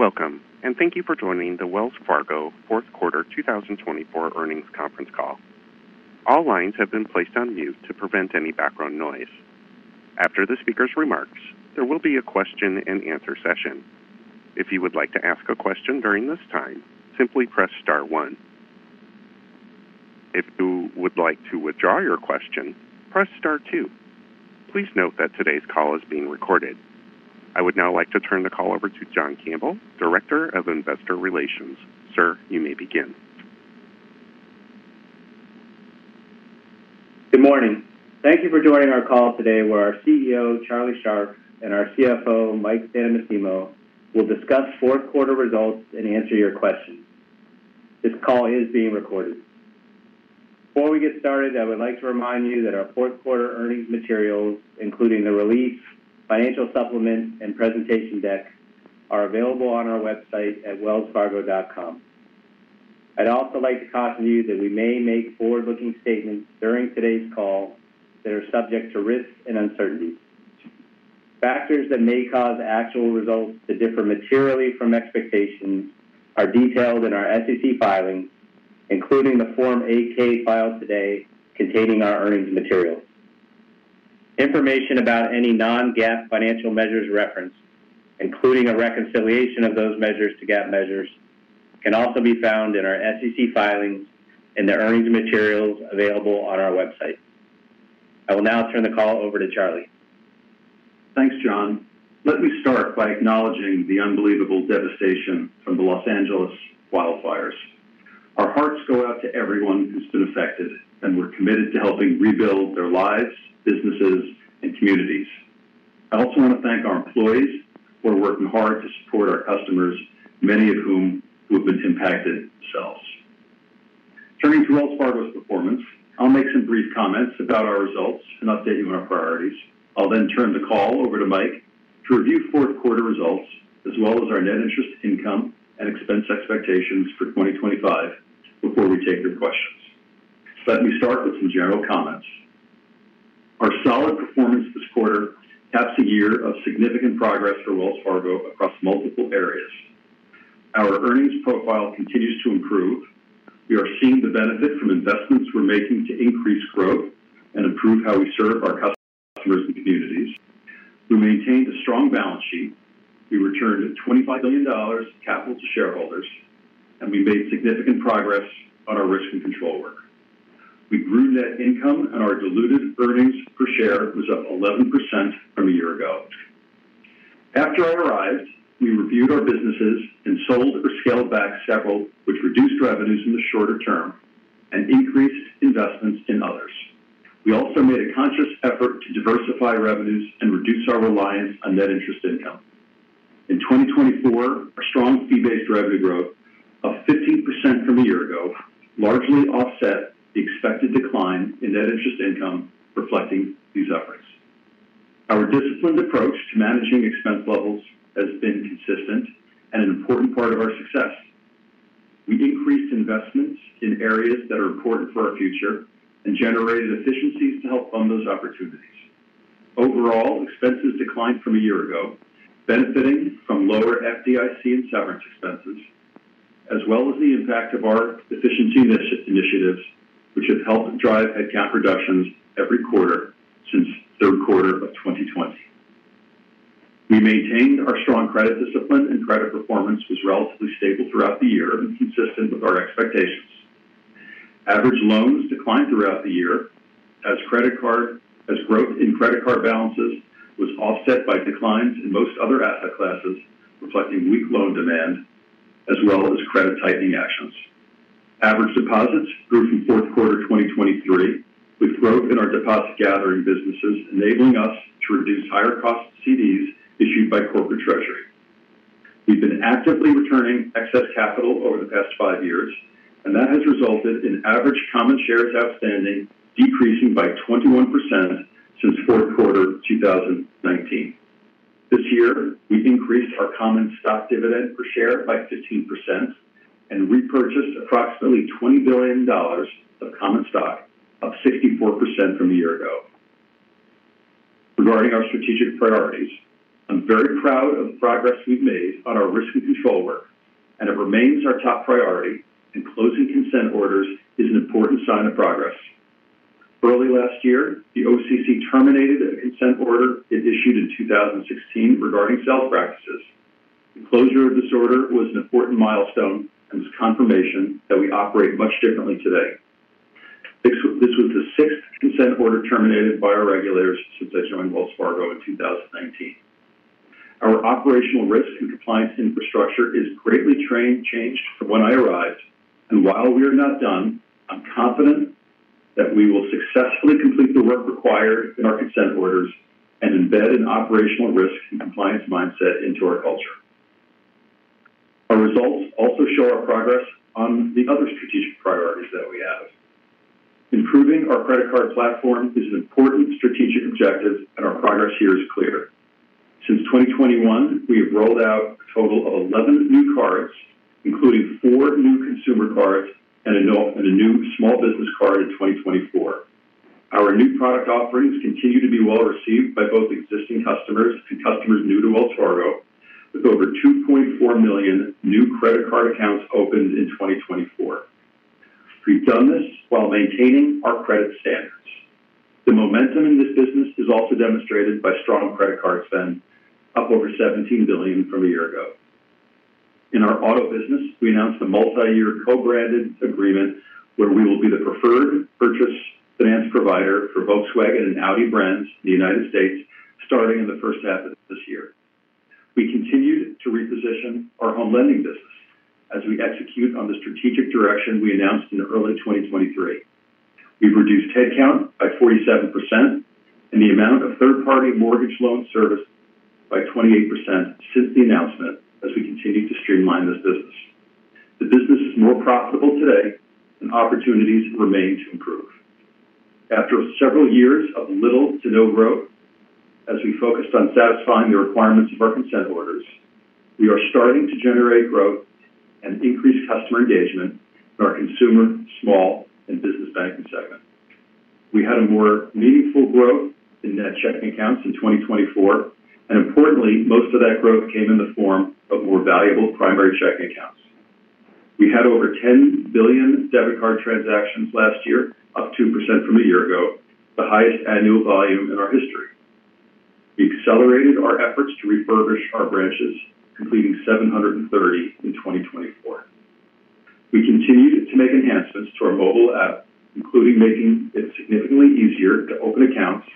Welcome, and thank you for joining the Wells Fargo & Company 2024 earnings conference call. All lines have been placed on mute to prevent any background noise. After the speaker's remarks, there will be a question-and-answer session. If you would like to ask a question during this time, simply press star one. If you would like to withdraw your question, press star two. Please note that today's call is being recorded. I would now like to turn the call over to John Campbell, Director of Investor Relations. Sir, you may begin. Good morning. Thank you for joining our call today, where our CEO, Charlie Scharf, and our CFO, Mike Santomassimo, will discuss fourth-quarter results and answer your questions. This call is being recorded. Before we get started, I would like to remind you that our fourth-quarter earnings materials, including the release, financial supplement, and presentation deck, are available on our website at wellsfargo.com. I'd also like to caution you that we may make forward-looking statements during today's call that are subject to risks and uncertainties. Factors that may cause actual results to differ materially from expectations are detailed in our SEC filings, including the Form 8-K filed today containing our earnings materials. Information about any non-GAAP financial measures referenced, including a reconciliation of those measures to GAAP measures, can also be found in our SEC filings and the earnings materials available on our website. I will now turn the call over to Charlie. Thanks, John. Let me start by acknowledging the unbelievable devastation from the Los Angeles wildfires. Our hearts go out to everyone who's been affected, and we're committed to helping rebuild their lives, businesses, and communities. I also want to thank our employees who are working hard to support our customers, many of whom have been impacted themselves. Turning to Wells Fargo's performance, I'll make some brief comments about our results and update you on our priorities. I'll then turn the call over to Mike to review fourth-quarter results, as well as our net interest income and expense expectations for 2025, before we take your questions. Let me start with some general comments. Our solid performance this quarter caps a year of significant progress for Wells Fargo across multiple areas. Our earnings profile continues to improve. We are seeing the benefit from investments we're making to increase growth and improve how we serve our customers and communities. We maintained a strong balance sheet. We returned $25 million capital to shareholders, and we made significant progress on our risk and control work. We grew net income, and our diluted earnings per share was up 11% from a year ago. After I arrived, we reviewed our businesses and sold or scaled back several, which reduced revenues in the shorter term and increased investments in others. We also made a conscious effort to diversify revenues and reduce our reliance on net interest income. In 2024, our strong fee-based revenue growth of 15% from a year ago largely offset the expected decline in net interest income, reflecting these efforts. Our disciplined approach to managing expense levels has been consistent and an important part of our success. We increased investments in areas that are important for our future and generated efficiencies to help fund those opportunities. Overall, expenses declined from a year ago, benefiting from lower FDIC and severance expenses, as well as the impact of our efficiency initiatives, which have helped drive headcount reductions every quarter since third quarter of 2020. We maintained our strong credit discipline, and credit performance was relatively stable throughout the year and consistent with our expectations. Average loans declined throughout the year, as growth in credit card balances was offset by declines in most other asset classes, reflecting weak loan demand, as well as credit-tightening actions. Average deposits grew from fourth quarter 2023, with growth in our deposit gathering businesses enabling us to reduce higher cost CDs issued by corporate treasury. We've been actively returning excess capital over the past five years, and that has resulted in average common shares outstanding decreasing by 21% since fourth quarter 2019. This year, we increased our common stock dividend per share by 15% and repurchased approximately $20 billion of common stock, up 64% from a year ago. Regarding our strategic priorities, I'm very proud of the progress we've made on our risk and control work, and it remains our top priority, and closing consent orders is an important sign of progress. Early last year, the OCC terminated a consent order it issued in 2016 regarding sales practices. The closure of this order was an important milestone and was confirmation that we operate much differently today. This was the sixth consent order terminated by our regulators since I joined Wells Fargo in 2019. Our operational risk and compliance infrastructure is greatly changed from when I arrived, and while we are not done, I'm confident that we will successfully complete the work required in our consent orders and embed an operational risk and compliance mindset into our culture. Our results also show our progress on the other strategic priorities that we have. Improving our credit card platform is an important strategic objective, and our progress here is clear. Since 2021, we have rolled out a total of 11 new cards, including four new consumer cards and a new small business card in 2024. Our new product offerings continue to be well received by both existing customers and customers new to Wells Fargo, with over 2.4 million new credit card accounts opened in 2024. We've done this while maintaining our credit standards. The momentum in this business is also demonstrated by strong credit card spend, up over $17 billion from a year ago. In our auto business, we announced a multi-year co-branded agreement where we will be the preferred purchase finance provider for Volkswagen and Audi brands in the United States, starting in the first half of this year. We continued to reposition our home lending business as we execute on the strategic direction we announced in early 2023. We've reduced headcount by 47% and the amount of third-party mortgage loan service by 28% since the announcement, as we continue to streamline this business. The business is more profitable today, and opportunities remain to improve. After several years of little to no growth, as we focused on satisfying the requirements of our consent orders, we are starting to generate growth and increase customer engagement in our consumer, small, and business banking segment. We had a more meaningful growth in net checking accounts in 2024, and importantly, most of that growth came in the form of more valuable primary checking accounts. We had over $10 billion debit card transactions last year, up 2% from a year ago, the highest annual volume in our history. We accelerated our efforts to refurbish our branches, completing 730 in 2024. We continued to make enhancements to our mobile app, including making it significantly easier to open accounts,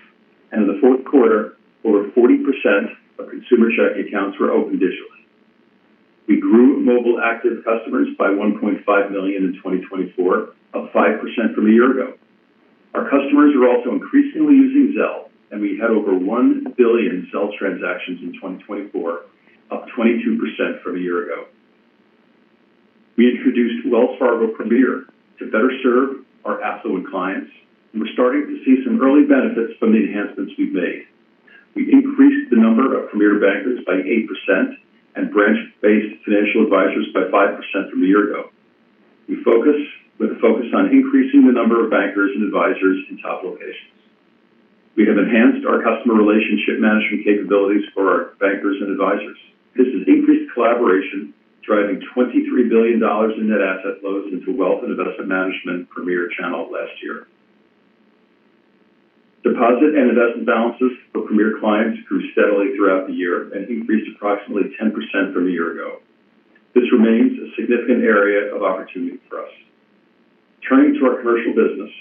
and in the fourth quarter, over 40% of consumer checking accounts were opened digitally. We grew mobile active customers by 1.5 million in 2024, up 5% from a year ago. Our customers are also increasingly using Zelle, and we had over $1 billion sales transactions in 2024, up 22% from a year ago. We introduced Wells Fargo Premier to better serve our affluent clients, and we're starting to see some early benefits from the enhancements we've made. We increased the number of Premier bankers by 8% and branch-based financial advisors by 5% from a year ago. We focus on increasing the number of bankers and advisors in top locations. We have enhanced our customer relationship management capabilities for our bankers and advisors. This has increased collaboration, driving $23 billion in net asset flows into Wealth and Investment Management Premier channel last year. Deposit and investment balances for Premier clients grew steadily throughout the year and increased approximately 10% from a year ago. This remains a significant area of opportunity for us. Turning to our commercial business,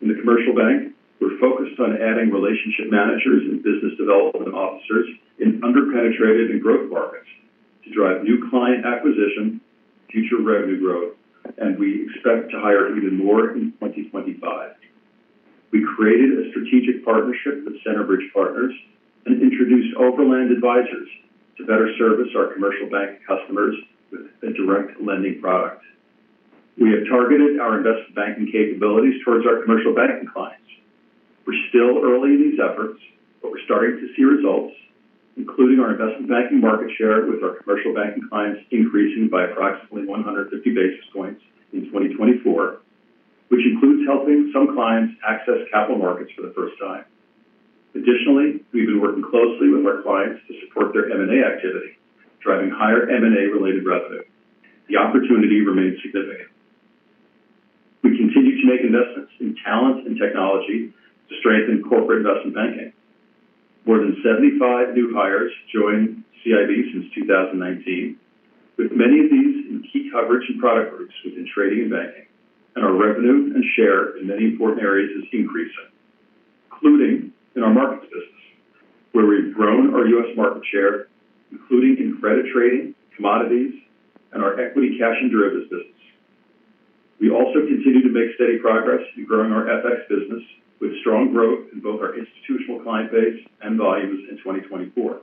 in the commercial bank, we're focused on adding relationship managers and business development officers in under-penetrated and growth markets to drive new client acquisition, future revenue growth, and we expect to hire even more in 2025. We created a strategic partnership with Centerbridge Partners and introduced Overland Advisors to better service our commercial bank customers with a direct lending product. We have targeted our investment banking capabilities towards our commercial banking clients. We're still early in these efforts, but we're starting to see results, including our investment banking market share with our commercial banking clients increasing by approximately 150 basis points in 2024, which includes helping some clients access capital markets for the first time. Additionally, we've been working closely with our clients to support their M&A activity, driving higher M&A-related revenue. The opportunity remains significant. We continue to make investments in talent and technology to strengthen corporate investment banking. More than 75 new hires joined CIB since 2019, with many of these in key coverage and product groups within trading and banking, and our revenue and share in many important areas is increasing, including in our markets business, where we've grown our U.S. market share, including in credit trading, commodities, and our equity cash and derivatives business. We also continue to make steady progress in growing our FX business, with strong growth in both our institutional client base and volumes in 2024.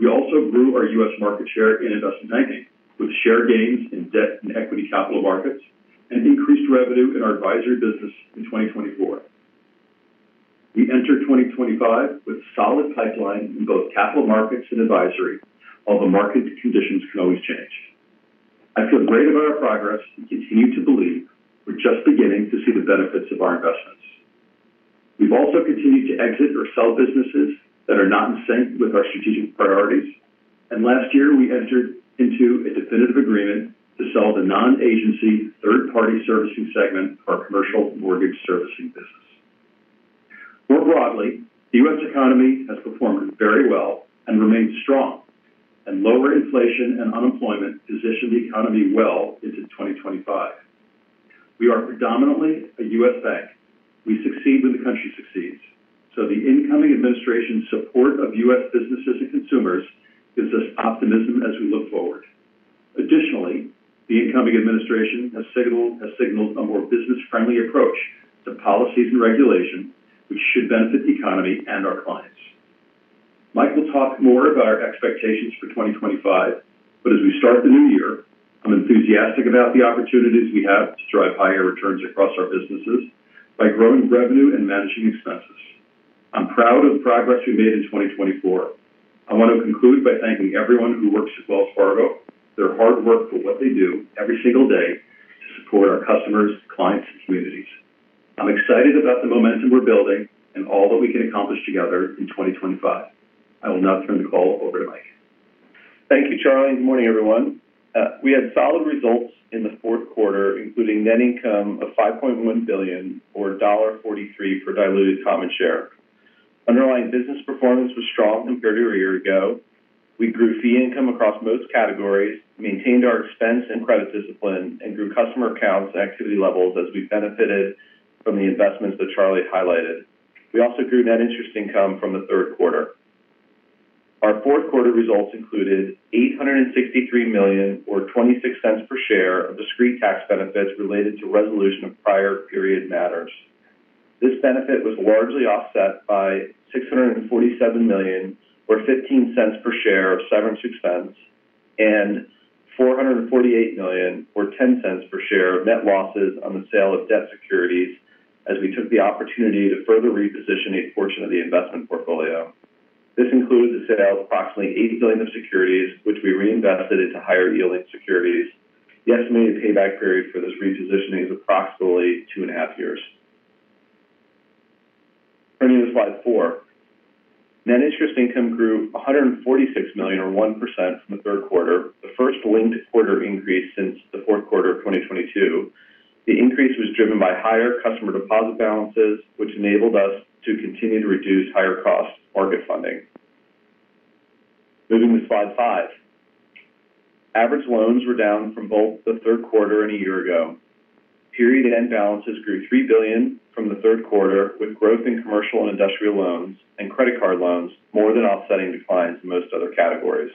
We also grew our U.S. market share in investment banking, with share gains in debt and equity capital markets and increased revenue in our advisory business in 2024. We enter 2025 with a solid pipeline in both capital markets and advisory, although market conditions can always change. I feel great about our progress and continue to believe we're just beginning to see the benefits of our investments. We've also continued to exit or sell businesses that are not in sync with our strategic priorities, and last year, we entered into a definitive agreement to sell the non-agency third-party servicing segment of our commercial mortgage servicing business. More broadly, the U.S. economy has performed very well and remained strong, and lower inflation and unemployment position the economy well into 2025. We are predominantly a U.S. bank. We succeed when the country succeeds, so the incoming administration's support of U.S. businesses and consumers gives us optimism as we look forward. Additionally, the incoming administration has signaled a more business-friendly approach to policies and regulation, which should benefit the economy and our clients. Mike will talk more about our expectations for 2025, but as we start the new year, I'm enthusiastic about the opportunities we have to drive higher returns across our businesses by growing revenue and managing expenses. I'm proud of the progress we made in 2024. I want to conclude by thanking everyone who works at Wells Fargo, their hard work for what they do every single day to support our customers, clients, and communities. I'm excited about the momentum we're building and all that we can accomplish together in 2025. I will now turn the call over to Mike. Thank you, Charlie. Good morning, everyone. We had solid results in the fourth quarter, including net income of $5.1 billion, or $1.43 per diluted common share. Underlying business performance was strong compared to a year ago. We grew fee income across most categories, maintained our expense and credit discipline, and grew customer accounts and activity levels as we benefited from the investments that Charlie highlighted. We also grew net interest income from the third quarter. Our fourth quarter results included $863 million, or $0.26 per share, of discrete tax benefits related to resolution of prior period matters. This benefit was largely offset by $647 million, or $0.15 per share of severance expense, and $448 million, or $0.10 per share of net losses on the sale of debt securities as we took the opportunity to further reposition a portion of the investment portfolio. This included the sale of approximately $8 billion of securities, which we reinvested into higher-yielding securities. The estimated payback period for this repositioning is approximately two and a half years. Turning to slide four, net interest income grew $146 million, or 1% from the third quarter, the first linked-quarter increase since the fourth quarter of 2022. The increase was driven by higher customer deposit balances, which enabled us to continue to reduce higher-cost market funding. Moving to slide five, average loans were down from both the third quarter and a year ago. Period-end balances grew $3 billion from the third quarter, with growth in commercial and industrial loans and credit card loans more than offsetting declines in most other categories.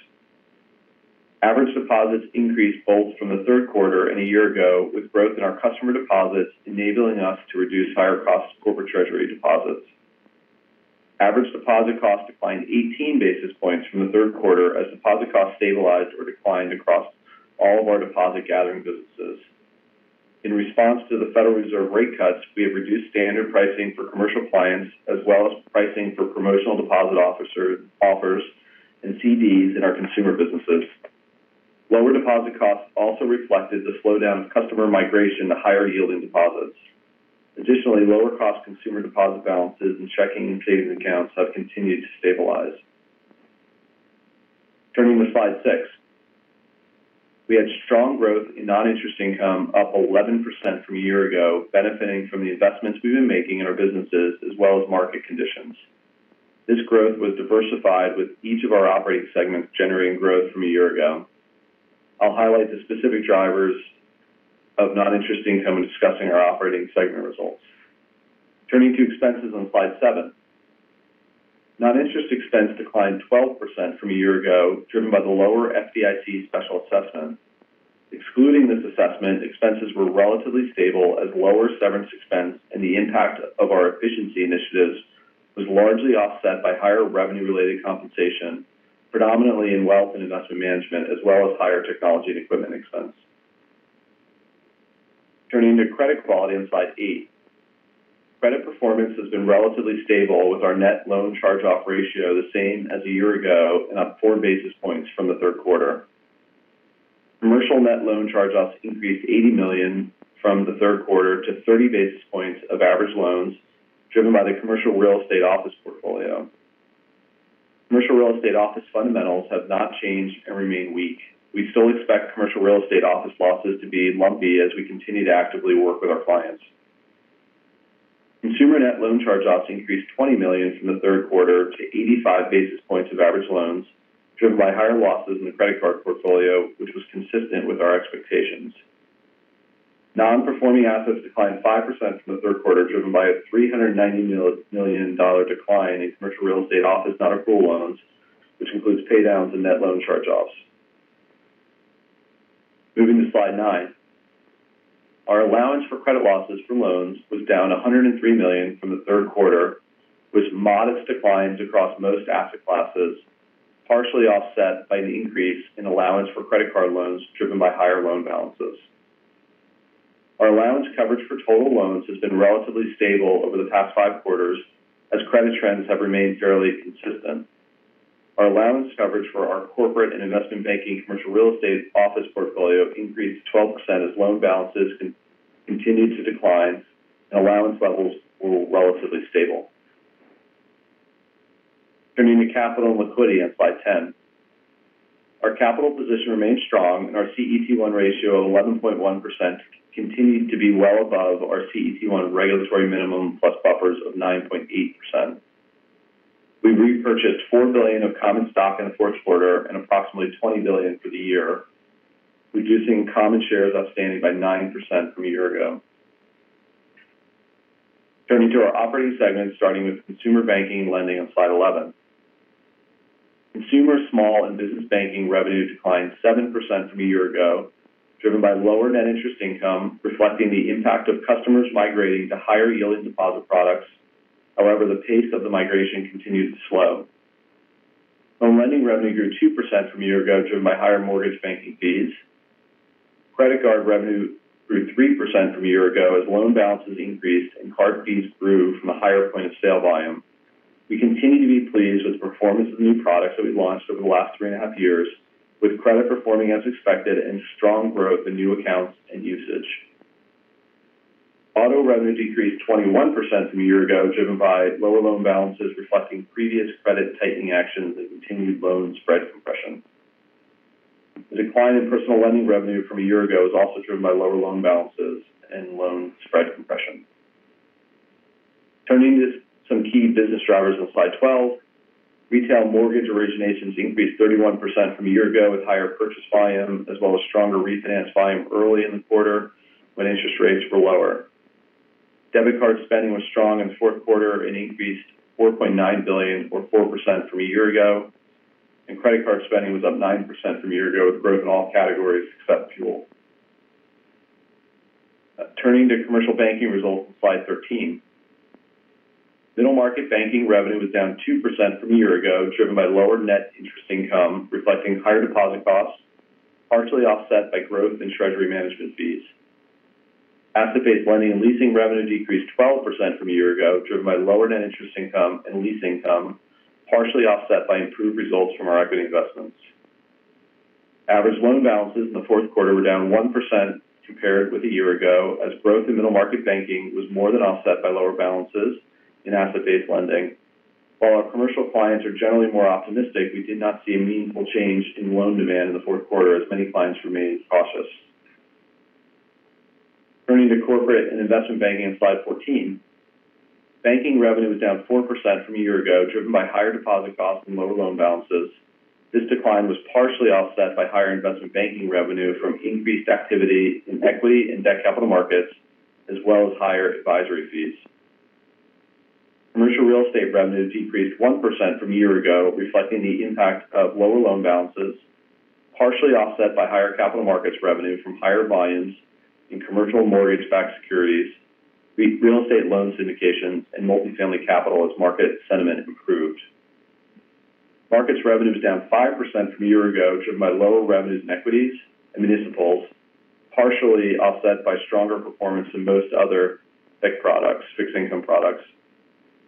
Average deposits increased both from the third quarter and a year ago, with growth in our customer deposits enabling us to reduce higher-cost corporate treasury deposits. Average deposit cost declined 18 basis points from the third quarter as deposit costs stabilized or declined across all of our deposit gathering businesses. In response to the Federal Reserve rate cuts, we have reduced standard pricing for commercial clients, as well as pricing for promotional deposit offers and CDs in our consumer businesses. Lower deposit costs also reflected the slowdown of customer migration to higher-yielding deposits. Additionally, lower-cost consumer deposit balances and checking and savings accounts have continued to stabilize. Turning to slide six, we had strong growth in non-interest income, up 11% from a year ago, benefiting from the investments we've been making in our businesses, as well as market conditions. This growth was diversified with each of our operating segments generating growth from a year ago. I'll highlight the specific drivers of non-interest income when discussing our operating segment results. Turning to expenses on slide seven, non-interest expense declined 12% from a year ago, driven by the lower FDIC special assessment. Excluding this assessment, expenses were relatively stable as lower severance expense and the impact of our efficiency initiatives was largely offset by higher revenue-related compensation, predominantly in wealth and investment management, as well as higher technology and equipment expense. Turning to credit quality on slide eight, credit performance has been relatively stable with our net loan charge-off ratio the same as a year ago and up four basis points from the third quarter. Commercial net loan charge-offs increased $80 million from the third quarter to 30 basis points of average loans, driven by the commercial real estate office portfolio. Commercial real estate office fundamentals have not changed and remain weak. We still expect commercial real estate office losses to be lumpy as we continue to actively work with our clients. Consumer net loan charge-offs increased $20 million from the third quarter to 85 basis points of average loans, driven by higher losses in the credit card portfolio, which was consistent with our expectations. Non-performing assets declined 5% from the third quarter, driven by a $390 million decline in commercial real estate office nonaccrual loans, which includes paydowns and net loan charge-offs. Moving to slide nine, our allowance for credit losses for loans was down $103 million from the third quarter, with modest declines across most asset classes, partially offset by an increase in allowance for credit card loans driven by higher loan balances. Our allowance coverage for total loans has been relatively stable over the past five quarters, as credit trends have remained fairly consistent. Our allowance coverage for our corporate and investment banking commercial real estate office portfolio increased 12% as loan balances continued to decline and allowance levels were relatively stable. Turning to capital and liquidity on slide 10, our capital position remained strong, and our CET1 ratio of 11.1% continued to be well above our CET1 regulatory minimum plus buffers of 9.8%. We repurchased $4 billion of common stock in the fourth quarter and approximately $20 billion for the year, reducing common shares outstanding by 9% from a year ago. Turning to our operating segments, starting with consumer banking and lending on slide 11, consumer small and business banking revenue declined 7% from a year ago, driven by lower net interest income, reflecting the impact of customers migrating to higher-yielding deposit products. However, the pace of the migration continued to slow. Home lending revenue grew 2% from a year ago, driven by higher mortgage banking fees. Credit card revenue grew 3% from a year ago as loan balances increased and card fees grew from a higher point of sale volume. We continue to be pleased with the performance of the new products that we launched over the last three and a half years, with credit performing as expected and strong growth in new accounts and usage. Auto revenue decreased 21% from a year ago, driven by lower loan balances reflecting previous credit tightening actions and continued loan spread compression. The decline in personal lending revenue from a year ago is also driven by lower loan balances and loan spread compression. Turning to some key business drivers on slide 12, retail mortgage originations increased 31% from a year ago with higher purchase volume, as well as stronger refinance volume early in the quarter when interest rates were lower. Debit card spending was strong in the fourth quarter and increased $4.9 billion, or 4% from a year ago, and credit card spending was up 9% from a year ago, with growth in all categories except fuel. Turning to commercial banking results on slide 13, middle market banking revenue was down 2% from a year ago, driven by lower net interest income, reflecting higher deposit costs, partially offset by growth in treasury management fees. Asset-based lending and leasing revenue decreased 12% from a year ago, driven by lower net interest income and lease income, partially offset by improved results from our equity investments. Average loan balances in the fourth quarter were down 1% compared with a year ago, as growth in middle market banking was more than offset by lower balances in asset-based lending. While our commercial clients are generally more optimistic, we did not see a meaningful change in loan demand in the fourth quarter, as many clients remained cautious. Turning to corporate and investment banking on slide 14, banking revenue was down 4% from a year ago, driven by higher deposit costs and lower loan balances. This decline was partially offset by higher investment banking revenue from increased activity in equity and debt capital markets, as well as higher advisory fees. Commercial real estate revenue decreased 1% from a year ago, reflecting the impact of lower loan balances, partially offset by higher capital markets revenue from higher volumes in commercial mortgage-backed securities, real estate loan syndications, and multifamily capital as market sentiment improved. Markets revenue was down 5% from a year ago, driven by lower revenues in equities and municipals, partially offset by stronger performance in most other rate products, fixed income products.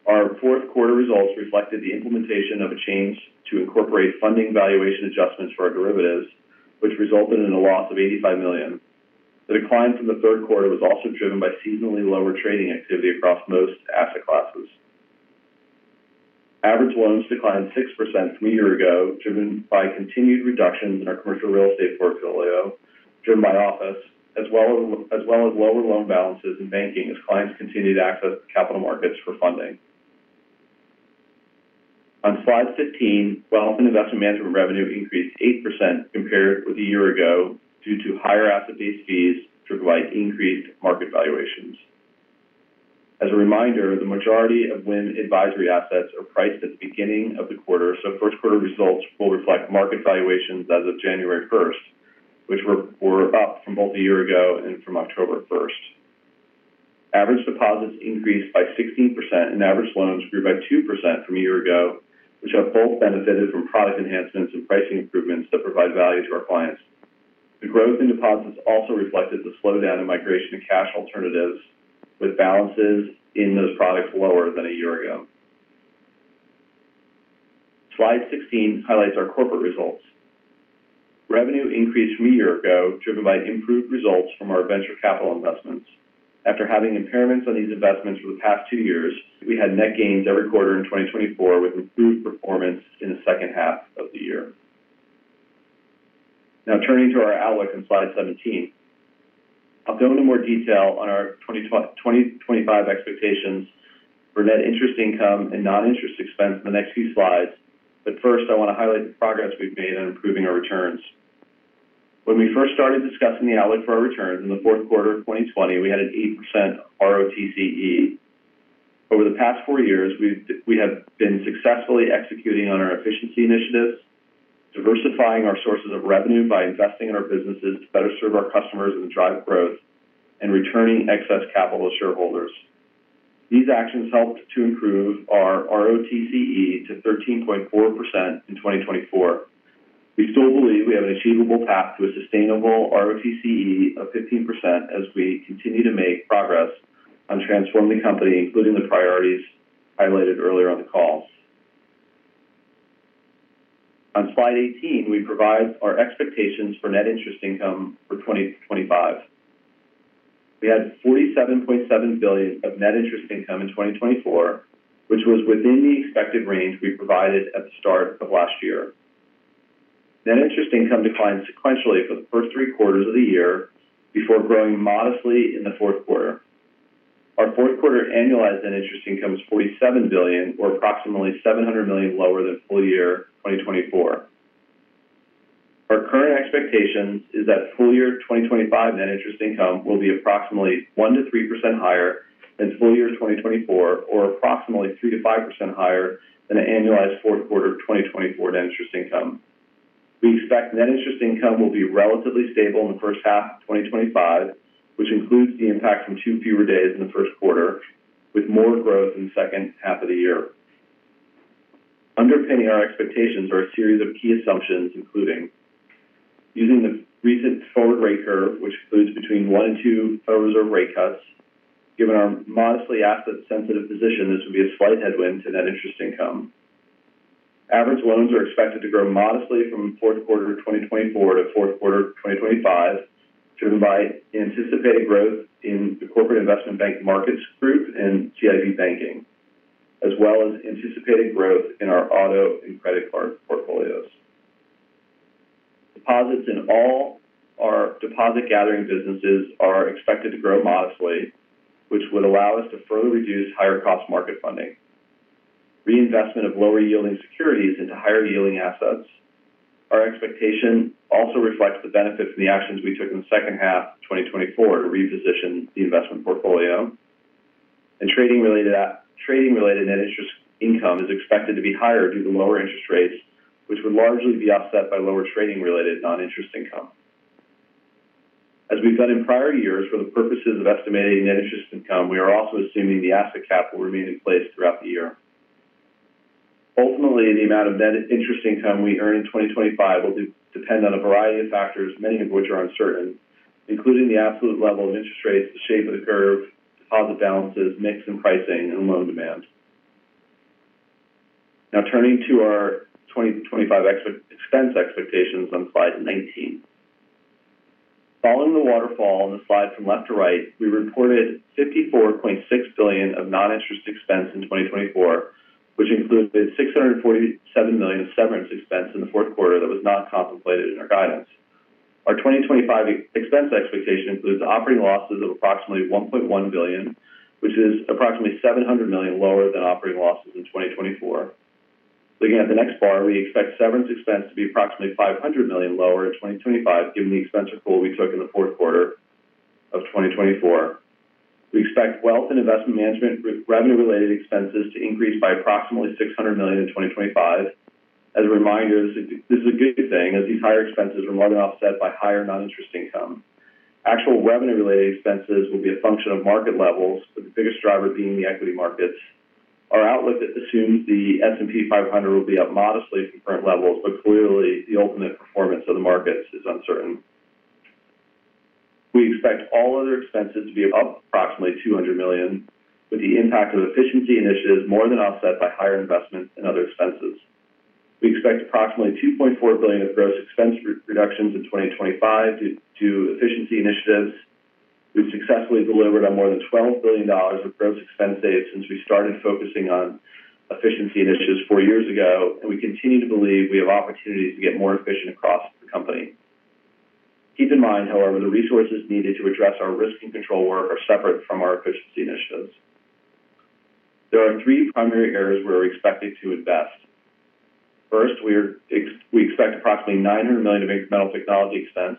Our fourth quarter results reflected the implementation of a change to incorporate funding valuation adjustments for our derivatives, which resulted in a loss of $85 million. The decline from the third quarter was also driven by seasonally lower trading activity across most asset classes. Average loans declined 6% from a year ago, driven by continued reductions in our commercial real estate portfolio, driven by office, as well as lower loan balances in banking as clients continued to access the capital markets for funding. On slide 15, wealth and investment management revenue increased 8% compared with a year ago due to higher asset-based fees, driven by increased market valuations. As a reminder, the majority of WIM advisory assets are priced at the beginning of the quarter, so first quarter results will reflect market valuations as of January 1st, which were up from both a year ago and from October 1st. Average deposits increased by 16%, and average loans grew by 2% from a year ago, which have both benefited from product enhancements and pricing improvements that provide value to our clients. The growth in deposits also reflected the slowdown in migration and cash alternatives, with balances in those products lower than a year ago. Slide 16 highlights our corporate results. Revenue increased from a year ago, driven by improved results from our venture capital investments. After having impairments on these investments for the past two years, we had net gains every quarter in 2024 with improved performance in the second half of the year. Now, turning to our outlook on slide 17, I'll go into more detail on our 2025 expectations for net interest income and non-interest expense in the next few slides, but first, I want to highlight the progress we've made on improving our returns. When we first started discussing the outlook for our returns in the fourth quarter of 2020, we had an 8% ROTCE. Over the past four years, we have been successfully executing on our efficiency initiatives, diversifying our sources of revenue by investing in our businesses to better serve our customers and drive growth, and returning excess capital to shareholders. These actions helped to improve our ROTCE to 13.4% in 2024. We still believe we have an achievable path to a sustainable ROTCE of 15% as we continue to make progress on transforming the company, including the priorities highlighted earlier on the call. On slide 18, we provide our expectations for net interest income for 2025. We had $47.7 billion of net interest income in 2024, which was within the expected range we provided at the start of last year. Net interest income declined sequentially for the first three quarters of the year before growing modestly in the fourth quarter. Our fourth quarter annualized net interest income is $47 billion, or approximately $700 million lower than full year 2024. Our current expectation is that full year 2025 net interest income will be approximately 1-3% higher than full year 2024, or approximately 3-5% higher than an annualized fourth quarter 2024 net interest income. We expect net interest income will be relatively stable in the first half of 2025, which includes the impact from two fewer days in the first quarter, with more growth in the second half of the year. Underpinning our expectations are a series of key assumptions, including using the recent forward rate curve, which includes between one and two Federal Reserve rate cuts. Given our modestly asset-sensitive position, this would be a slight headwind to net interest income. Average loans are expected to grow modestly from fourth quarter 2024 to fourth quarter 2025, driven by anticipated growth in the corporate investment bank markets group and CIB banking, as well as anticipated growth in our auto and credit card portfolios. Deposits in all our deposit-gathering businesses are expected to grow modestly, which would allow us to further reduce higher-cost market funding, reinvestment of lower-yielding securities into higher-yielding assets. Our expectation also reflects the benefits and the actions we took in the second half of 2024 to reposition the investment portfolio. Trading-related net interest income is expected to be higher due to lower interest rates, which would largely be offset by lower trading-related non-interest income. As we've done in prior years for the purposes of estimating net interest income, we are also assuming the asset cap will remain in place throughout the year. Ultimately, the amount of net interest income we earn in 2025 will depend on a variety of factors, many of which are uncertain, including the absolute level of interest rates, the shape of the curve, deposit balances, mix and pricing, and loan demand. Now, turning to our 2025 expense expectations on slide 19. Following the waterfall on the slide from left to right, we reported $54.6 billion of non-interest expense in 2024, which included $647 million of severance expense in the fourth quarter that was not contemplated in our guidance. Our 2025 expense expectation includes operating losses of approximately $1.1 billion, which is approximately $700 million lower than operating losses in 2024. Looking at the next bar, we expect severance expense to be approximately $500 million lower in 2025, given the expense accrual we took in the fourth quarter of 2024. We expect wealth and investment management revenue-related expenses to increase by approximately $600 million in 2025. As a reminder, this is a good thing, as these higher expenses were more than offset by higher non-interest income. Actual revenue-related expenses will be a function of market levels, with the biggest driver being the equity markets. Our outlook assumes the S&P 500 will be up modestly from current levels, but clearly, the ultimate performance of the markets is uncertain. We expect all other expenses to be up approximately $200 million, with the impact of efficiency initiatives more than offset by higher investments and other expenses. We expect approximately $2.4 billion of gross expense reductions in 2025 due to efficiency initiatives. We've successfully delivered on more than $12 billion of gross expense saved since we started focusing on efficiency initiatives four years ago, and we continue to believe we have opportunities to get more efficient across the company. Keep in mind, however, the resources needed to address our risk and control work are separate from our efficiency initiatives. There are three primary areas where we're expected to invest. First, we expect approximately $900 million of incremental technology expense,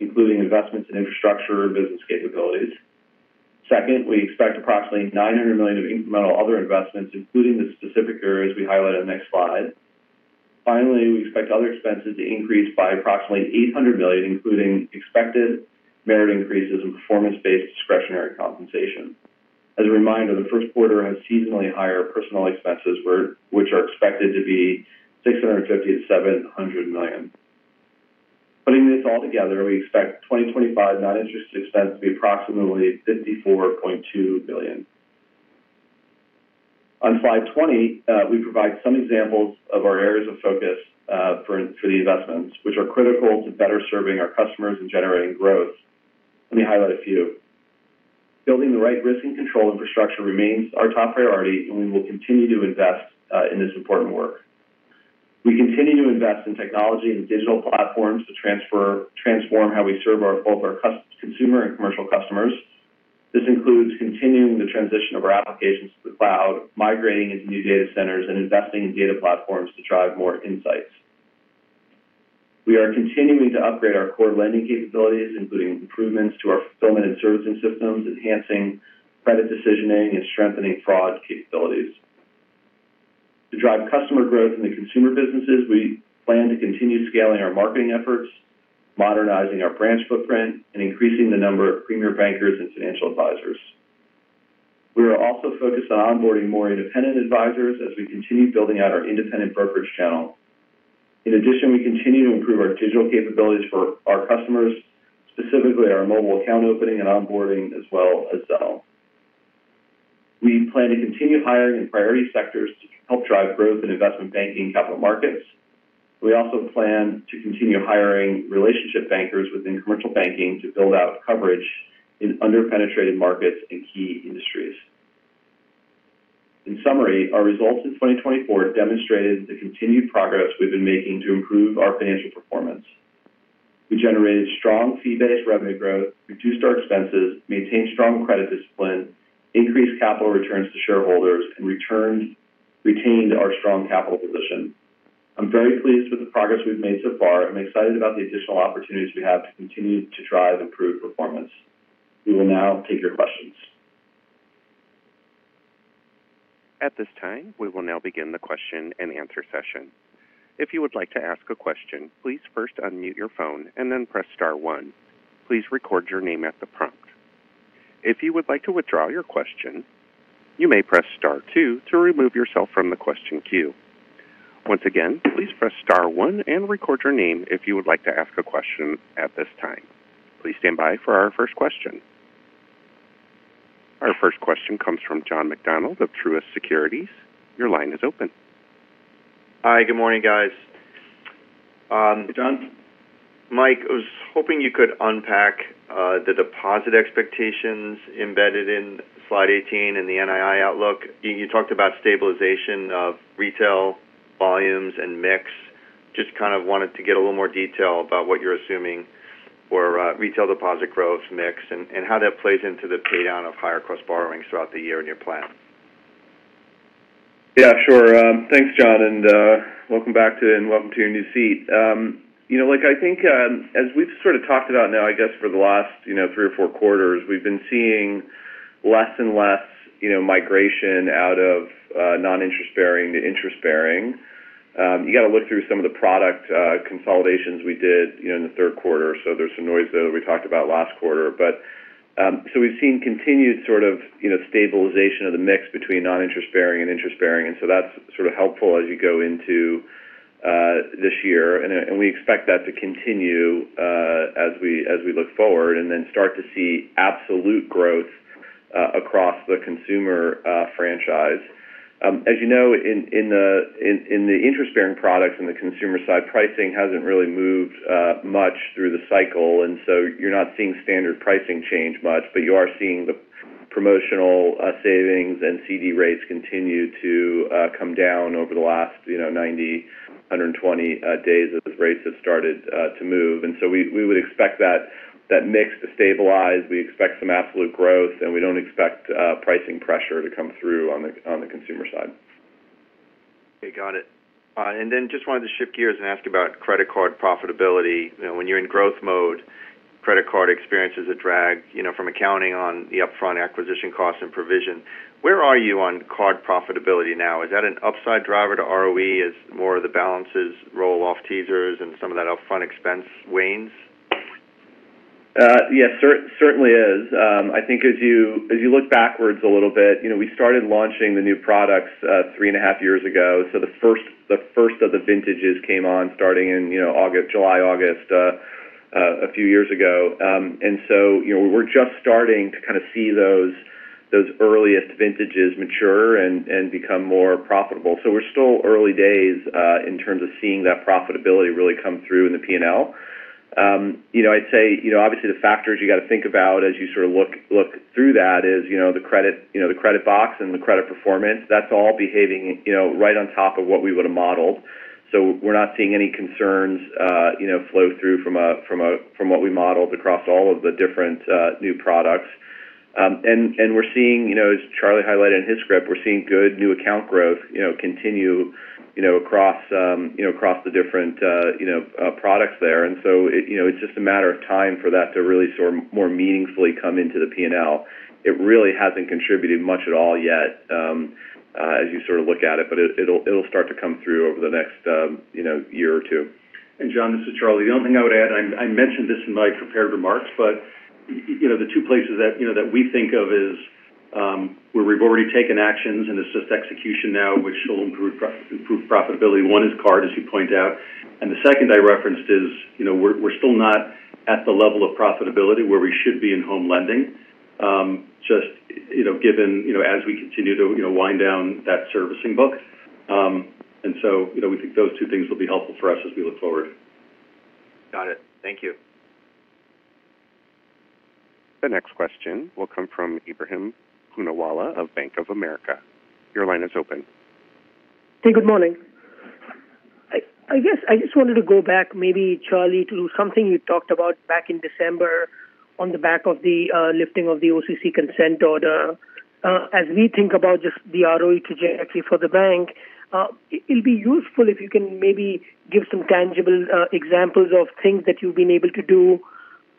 including investments in infrastructure and business capabilities. Second, we expect approximately $900 million of incremental other investments, including the specific areas we highlight on the next slide. Finally, we expect other expenses to increase by approximately $800 million, including expected merit increases and performance-based discretionary compensation. As a reminder, the first quarter has seasonally higher personnel expenses, which are expected to be $650 million-$700 million. Putting this all together, we expect 2025 non-interest expense to be approximately $54.2 billion. On slide 20, we provide some examples of our areas of focus for the investments, which are critical to better serving our customers and generating growth. Let me highlight a few. Building the right risk and control infrastructure remains our top priority, and we will continue to invest in this important work. We continue to invest in technology and digital platforms to transform how we serve both our consumer and commercial customers. This includes continuing the transition of our applications to the cloud, migrating into new data centers, and investing in data platforms to drive more insights. We are continuing to upgrade our core lending capabilities, including improvements to our fulfillment and servicing systems, enhancing credit decisioning, and strengthening fraud capabilities. To drive customer growth in the consumer businesses, we plan to continue scaling our marketing efforts, modernizing our branch footprint, and increasing the number of premier bankers and financial advisors. We are also focused on onboarding more independent advisors as we continue building out our independent brokerage channel. In addition, we continue to improve our digital capabilities for our customers, specifically our mobile account opening and onboarding, as well as Zelle. We plan to continue hiring in priority sectors to help drive growth in investment banking and capital markets. We also plan to continue hiring relationship bankers within commercial banking to build out coverage in underpenetrated markets and key industries. In summary, our results in 2024 demonstrated the continued progress we've been making to improve our financial performance. We generated strong fee-based revenue growth, reduced our expenses, maintained strong credit discipline, increased capital returns to shareholders, and retained our strong capital position. I'm very pleased with the progress we've made so far, and I'm excited about the additional opportunities we have to continue to drive improved performance. We will now take your questions. At this time, we will now begin the question-and-answer session. If you would like to ask a question, please first unmute your phone and then press Star 1. Please record your name at the prompt. If you would like to withdraw your question, you may press Star 2 to remove yourself from the question queue. Once again, please press Star 1 and record your name if you would like to ask a question at this time. Please stand by for our first question. Our first question comes from John McDonald of Truist Securities. Your line is open. Hi, good morning, guys. Hey, John. Mike, I was hoping you could unpack the deposit expectations embedded in slide 18 and the NII Outlook. You talked about stabilization of retail volumes and mix. Just kind of wanted to get a little more detail about what you're assuming for retail deposit growth mix and how that plays into the paydown of higher-cost borrowings throughout the year in your plan. Yeah, sure. Thanks, John, and welcome back, and welcome to your new seat. I think, as we've sort of talked about now, I guess, for the last three or four quarters, we've been seeing less and less migration out of non-interest-bearing to interest-bearing. You got to look through some of the product consolidations we did in the third quarter, so there's some noise there that we talked about last quarter. So we've seen continued sort of stabilization of the mix between non-interest-bearing and interest-bearing, and so that's sort of helpful as you go into this year, and we expect that to continue as we look forward and then start to see absolute growth across the consumer franchise. As you know, in the interest-bearing products and the consumer side, pricing hasn't really moved much through the cycle, and so you're not seeing standard pricing change much, but you are seeing the promotional savings and CD rates continue to come down over the last 90-120 days as rates have started to move. And so we would expect that mix to stabilize. We expect some absolute growth, and we don't expect pricing pressure to come through on the consumer side. Okay, got it. And then just wanted to shift gears and ask about credit card profitability. When you're in growth mode, credit card experiences a drag from accounting on the upfront acquisition costs and provision. Where are you on card profitability now? Is that an upside driver to ROE as more of the balances roll off teasers and some of that upfront expense wanes? Yes, certainly is. I think as you look backwards a little bit, we started launching the new products three and a half years ago, so the first of the vintages came on starting in July, August a few years ago, and so we're just starting to kind of see those earliest vintages mature and become more profitable, so we're still early days in terms of seeing that profitability really come through in the P&L. I'd say, obviously, the factors you got to think about as you sort of look through that is the credit box and the credit performance. That's all behaving right on top of what we would have modeled. So we're not seeing any concerns flow through from what we modeled across all of the different new products. And we're seeing, as Charlie highlighted in his script, we're seeing good new account growth continue across the different products there. And so it's just a matter of time for that to really sort of more meaningfully come into the P&L. It really hasn't contributed much at all yet as you sort of look at it, but it'll start to come through over the next year or two. And John, this is Charlie. The only thing I would add, and I mentioned this in my prepared remarks, but the two places that we think of is where we've already taken actions, and it's just execution now, which will improve profitability. One is card, as you point out. And the second I referenced is we're still not at the level of profitability where we should be in home lending, just given as we continue to wind down that servicing book. And so we think those two things will be helpful for us as we look forward. Got it. Thank you. The next question will come from Ibrahim Poonawala of Bank of America. Your line is open. Hey, good morning. I guess I just wanted to go back, maybe, Charlie, to something you talked about back in December on the back of the lifting of the OCC consent order. As we think about just the ROE trajectory for the bank, it'll be useful if you can maybe give some tangible examples of things that you've been able to do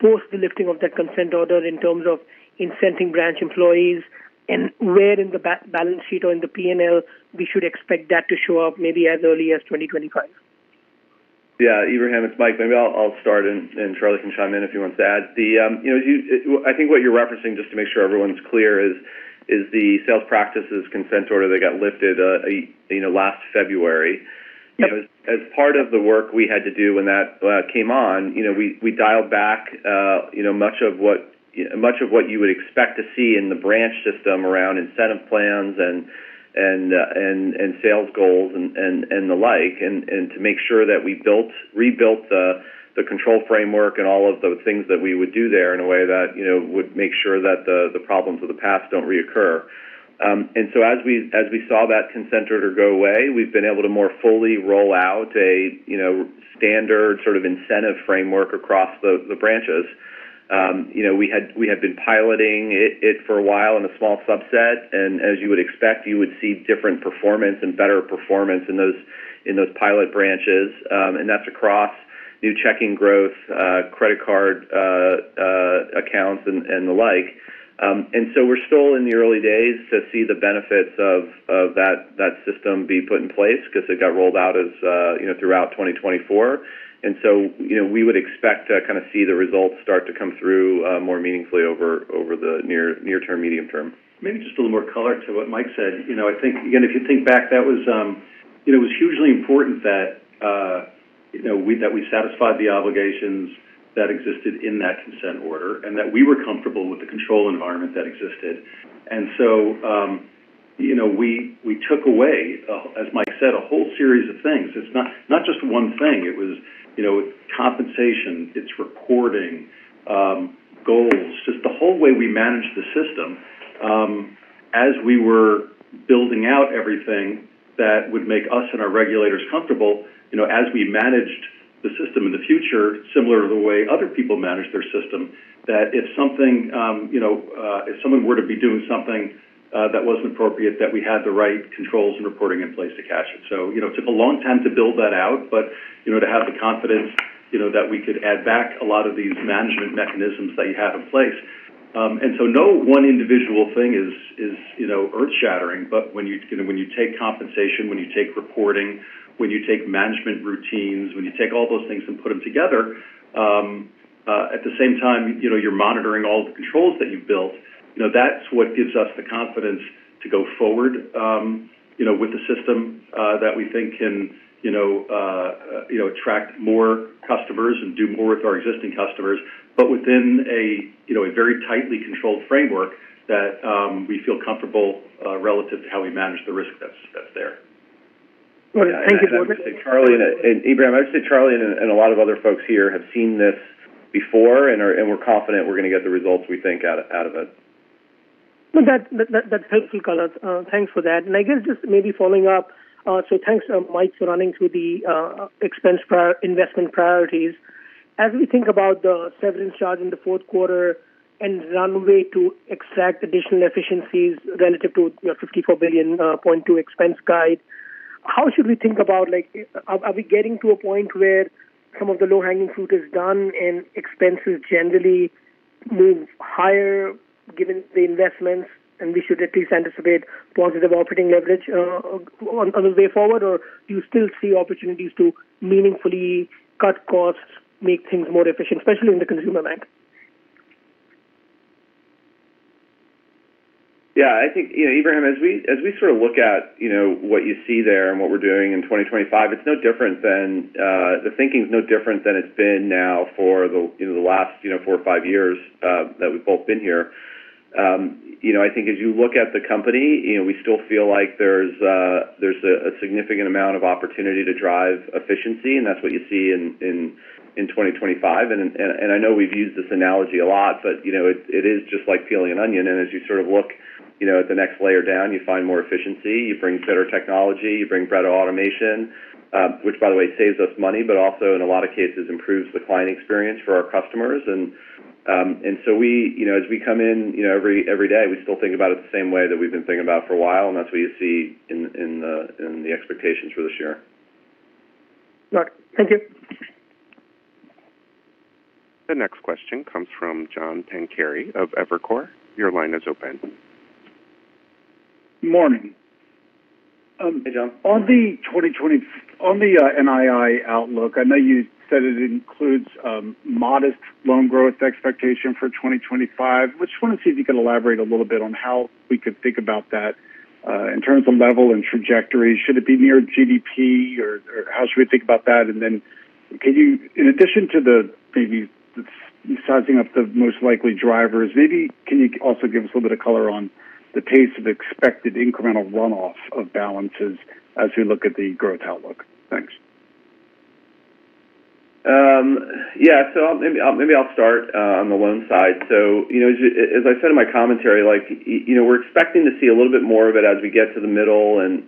post the lifting of that consent order in terms of incenting branch employees and where in the balance sheet or in the P&L we should expect that to show up maybe as early as 2025. Yeah, Ebrahim, it's Mike. Maybe I'll start, and Charlie can chime in if he wants to add. I think what you're referencing, just to make sure everyone's clear, is the sales practices consent order that got lifted last February. As part of the work we had to do when that came on, we dialed back much of what you would expect to see in the branch system around incentive plans and sales goals and the like, and to make sure that we rebuilt the control framework and all of the things that we would do there in a way that would make sure that the problems of the past don't reoccur, and so as we saw that consent order go away, we've been able to more fully roll out a standard sort of incentive framework across the branches. We had been piloting it for a while in a small subset, and as you would expect, you would see different performance and better performance in those pilot branches, and that's across new checking growth, credit card accounts, and the like. We're still in the early days to see the benefits of that system be put in place because it got rolled out throughout 2024. We would expect to kind of see the results start to come through more meaningfully over the near-term, medium term. Maybe just a little more color to what Mike said. I think, again, if you think back, that was hugely important that we satisfied the obligations that existed in that consent order and that we were comfortable with the control environment that existed. We took away, as Mike said, a whole series of things. It's not just one thing. It was compensation, it's reporting, goals, just the whole way we managed the system as we were building out everything that would make us and our regulators comfortable as we managed the system in the future, similar to the way other people manage their system, that if someone were to be doing something that wasn't appropriate, that we had the right controls and reporting in place to catch it. So it took a long time to build that out, but to have the confidence that we could add back a lot of these management mechanisms that you have in place. And so no one individual thing is earth-shattering, but when you take compensation, when you take reporting, when you take management routines, when you take all those things and put them together, at the same time, you're monitoring all the controls that you've built, that's what gives us the confidence to go forward with the system that we think can attract more customers and do more with our existing customers, but within a very tightly controlled framework that we feel comfortable relative to how we manage the risk that's there. Thank you so much. I would say Charlie and Ebrahim, I would say Charlie and a lot of other folks here have seen this before and we're confident we're going to get the results we think out of it. Well, that's helpful, Color. Thanks for that. I guess just maybe following up, so thanks, Mike, for running through the expense investment priorities. As we think about the severance charge in the fourth quarter and runway to extract additional efficiencies relative to your $54.2 billion expense guide, how should we think about are we getting to a point where some of the low-hanging fruit is done and expenses generally move higher given the investments and we should at least anticipate positive operating leverage on the way forward, or do you still see opportunities to meaningfully cut costs, make things more efficient, especially in the consumer bank? Yeah, I think, Ibrahim, as we sort of look at what you see there and what we're doing in 2025, it's no different than the thinking's been now for the last four or five years that we've both been here. I think as you look at the company, we still feel like there's a significant amount of opportunity to drive efficiency, and that's what you see in 2025. I know we've used this analogy a lot, but it is just like peeling an onion. As you sort of look at the next layer down, you find more efficiency, you bring better technology, you bring better automation, which, by the way, saves us money, but also, in a lot of cases, improves the client experience for our customers. So as we come in every day, we still think about it the same way that we've been thinking about it for a while, and that's what you see in the expectations for this year. Right. Thank you. The next question comes from John Pancari of Evercore. Your line is open. Morning. Hey, John. On the NII outlook, I know you said it includes modest loan growth expectation for 2025. I just want to see if you could elaborate a little bit on how we could think about that in terms of level and trajectory. Should it be near GDP, or how should we think about that? And then can you, in addition to maybe sizing up the most likely drivers, maybe can you also give us a little bit of color on the pace of expected incremental runoff of balances as we look at the growth outlook? Thanks. Yeah, so maybe I'll start on the loan side. So as I said in my commentary, we're expecting to see a little bit more of it as we get to the middle and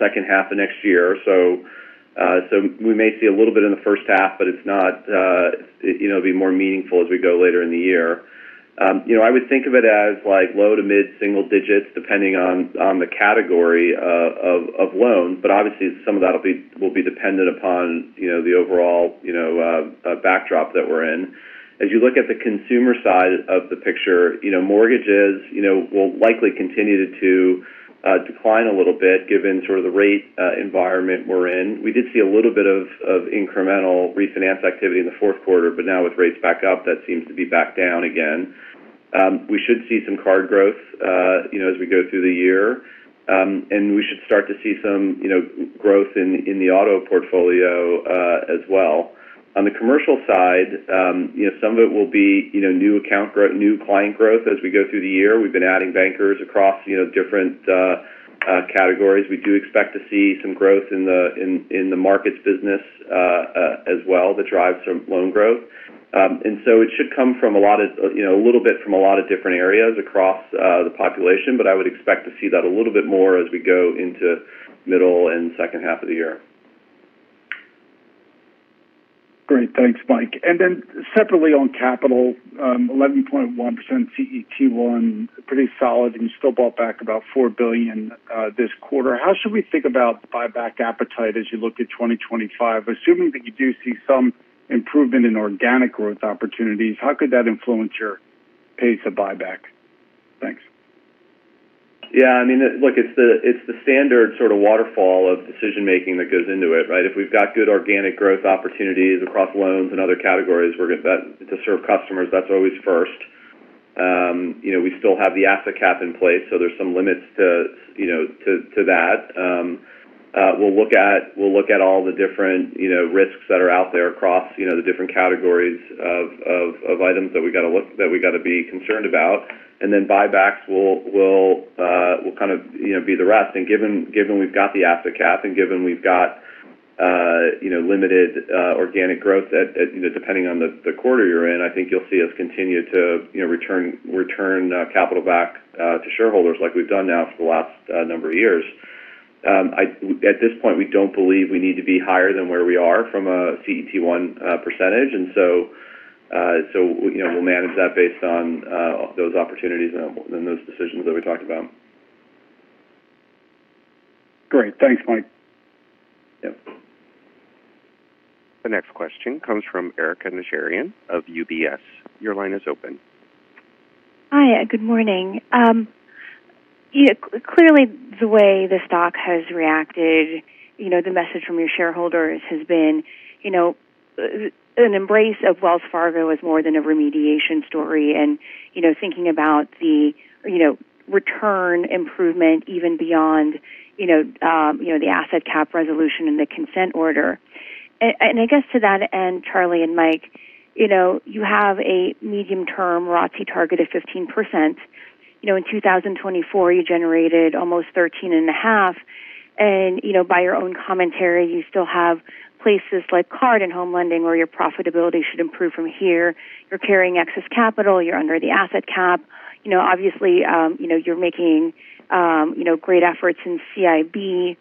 second half of next year. So we may see a little bit in the first half, but it's not going to be more meaningful as we go later in the year. I would think of it as low to mid-single digits, depending on the category of loans, but obviously, some of that will be dependent upon the overall backdrop that we're in. As you look at the consumer side of the picture, mortgages will likely continue to decline a little bit given sort of the rate environment we're in. We did see a little bit of incremental refinance activity in the fourth quarter, but now with rates back up, that seems to be back down again. We should see some card growth as we go through the year, and we should start to see some growth in the auto portfolio as well. On the commercial side, some of it will be new account growth, new client growth as we go through the year. We've been adding bankers across different categories. We do expect to see some growth in the markets business as well that drives some loan growth. And so it should come from a lot of a little bit from a lot of different areas across the population, but I would expect to see that a little bit more as we go into middle and second half of the year. Great. Thanks, Mike. And then separately on capital, 11.1% CET1, pretty solid, and you still bought back about $4 billion this quarter. How should we think about buyback appetite as you look at 2025, assuming that you do see some improvement in organic growth opportunities? How could that influence your pace of buyback? Thanks. Yeah, I mean, look, it's the standard sort of waterfall of decision-making that goes into it, right? If we've got good organic growth opportunities across loans and other categories, we're going to serve customers. That's always first. We still have the asset cap in place, so there's some limits to that. We'll look at all the different risks that are out there across the different categories of items that we got to look that we got to be concerned about. And then buybacks will kind of be the rest. And given we've got the asset cap and given we've got limited organic growth, depending on the quarter you're in, I think you'll see us continue to return capital back to shareholders like we've done now for the last number of years. At this point, we don't believe we need to be higher than where we are from a CET1 percentage. And so we'll manage that based on those opportunities and those decisions that we talked about. Great. Thanks, Mike. Yep. The next question comes from Erika Najarian of UBS. Your line is open. Hi. Good morning. Clearly, the way the stock has reacted, the message from your shareholders has been an embrace of Wells Fargo as more than a remediation story and thinking about the return improvement even beyond the asset cap resolution and the consent order. I guess to that end, Charlie and Mike, you have a medium-term ROTCE target of 15%. In 2024, you generated almost 13.5%. By your own commentary, you still have places like card and home lending where your profitability should improve from here. You're carrying excess capital. You're under the asset cap. Obviously, you're making great efforts in CIB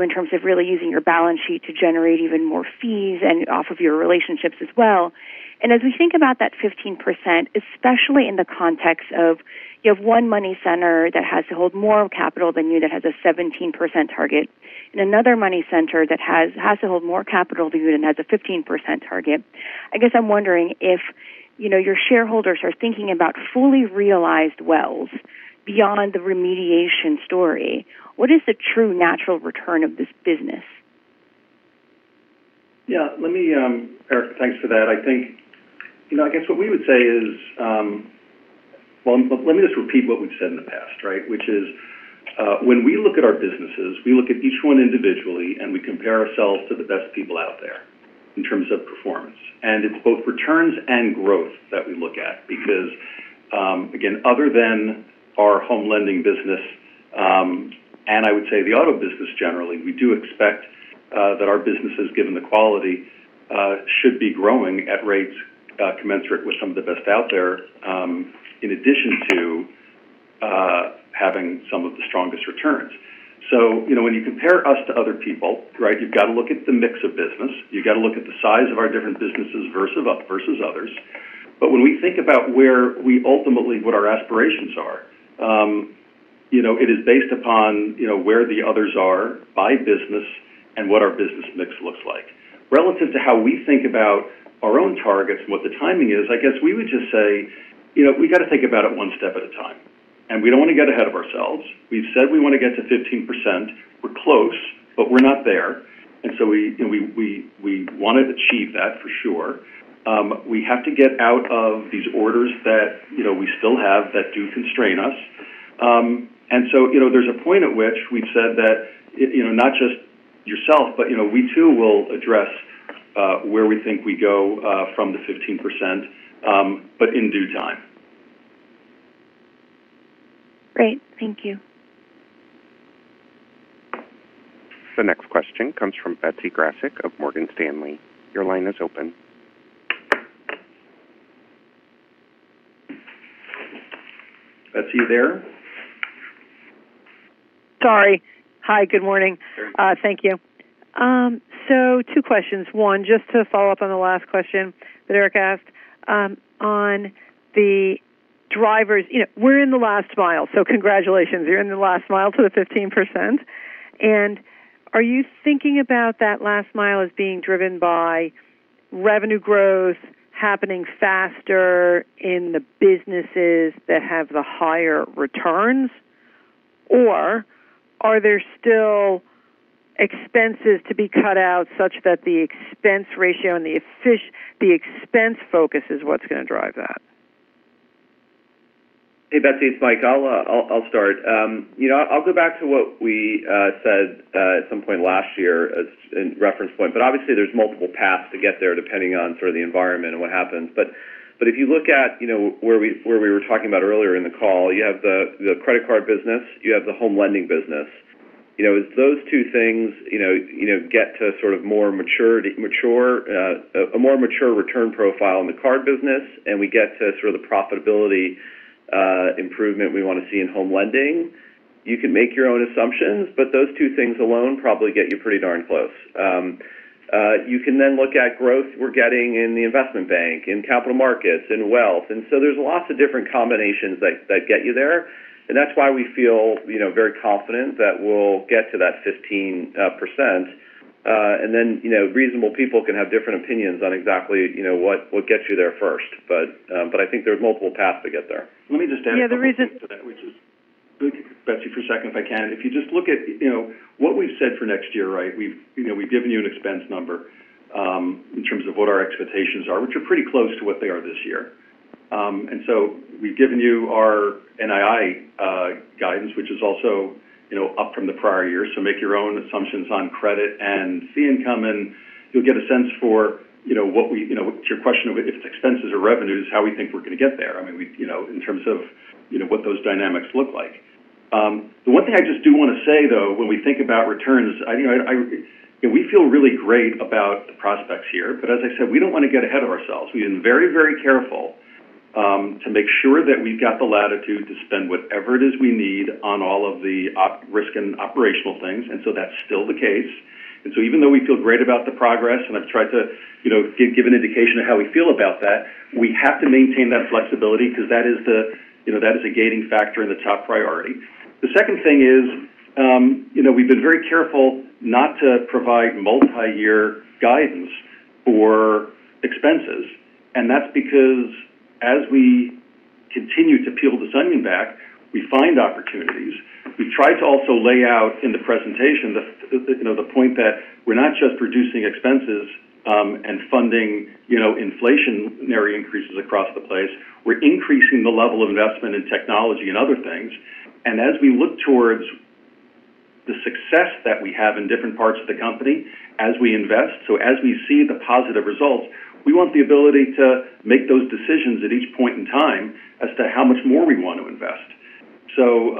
in terms of really using your balance sheet to generate even more fees and off of your relationships as well. And as we think about that 15%, especially in the context of you have one money center that has to hold more capital than you that has a 17% target and another money center that has to hold more capital than you and has a 15% target, I guess I'm wondering if your shareholders are thinking about fully realized Wells beyond the remediation story. What is the true natural return of this business? Yeah. Erika, thanks for that. I think, I guess what we would say is, well, let me just repeat what we've said in the past, right, which is when we look at our businesses, we look at each one individually and we compare ourselves to the best people out there in terms of performance, and it's both returns and growth that we look at because, again, other than our home lending business and I would say the auto business generally, we do expect that our businesses, given the quality, should be growing at rates commensurate with some of the best out there in addition to having some of the strongest returns, so when you compare us to other people, right, you've got to look at the mix of business. You've got to look at the size of our different businesses versus others. But when we think about where we ultimately what our aspirations are, it is based upon where the others are by business and what our business mix looks like. Relative to how we think about our own targets and what the timing is, I guess we would just say we got to think about it one step at a time. And we don't want to get ahead of ourselves. We've said we want to get to 15%. We're close, but we're not there. And so we want to achieve that for sure. We have to get out of these orders that we still have that do constrain us. And so there's a point at which we've said that not just yourself, but we too will address where we think we go from the 15%, but in due time. Great. Thank you. The next question comes from Betsy Graseck of Morgan Stanley. Your line is open. Betsy, you there? Sorry. Hi. Good morning. Thank you. So two questions. One, just to follow up on the last question that Erika asked on the drivers. We're in the last mile, so congratulations. You're in the last mile to the 15%. And are you thinking about that last mile as being driven by revenue growth happening faster in the businesses that have the higher returns, or are there still expenses to be cut out such that the expense ratio and the expense focus is what's going to drive that? Hey, Betsy, it's Mike. I'll start. I'll go back to what we said at some point last year as a reference point, but obviously, there's multiple paths to get there depending on sort of the environment and what happens. But if you look at where we were talking about earlier in the call, you have the credit card business, you have the home lending business. As those two things get to sort of more mature, a more mature return profile in the card business, and we get to sort of the profitability improvement we want to see in home lending, you can make your own assumptions, but those two things alone probably get you pretty darn close. You can then look at growth we're getting in the investment bank, in capital markets, in wealth. And so there's lots of different combinations that get you there. And that's why we feel very confident that we'll get to that 15%. And then reasonable people can have different opinions on exactly what gets you there first. But I think there's multiple paths to get there. Let me just add something to that. Yeah, the reason, which is, Betsy, for a second, if I can, if you just look at what we've said for next year, right, we've given you an expense number in terms of what our expectations are, which are pretty close to what they are this year. And so we've given you our NII guidance, which is also up from the prior year. So make your own assumptions on credit and fee income, and you'll get a sense for what we to your question of if it's expenses or revenues, how we think we're going to get there. I mean, in terms of what those dynamics look like. The one thing I just do want to say, though, when we think about returns, we feel really great about the prospects here. But as I said, we don't want to get ahead of ourselves. We've been very, very careful to make sure that we've got the latitude to spend whatever it is we need on all of the risk and operational things. And so that's still the case. And so even though we feel great about the progress, and I've tried to give an indication of how we feel about that, we have to maintain that flexibility because that is a gating factor and the top priority. The second thing is we've been very careful not to provide multi-year guidance for expenses. And that's because as we continue to peel this onion back, we find opportunities. We've tried to also lay out in the presentation the point that we're not just reducing expenses and funding inflationary increases across the place. We're increasing the level of investment in technology and other things. And as we look towards the success that we have in different parts of the company, as we invest, so as we see the positive results, we want the ability to make those decisions at each point in time as to how much more we want to invest. So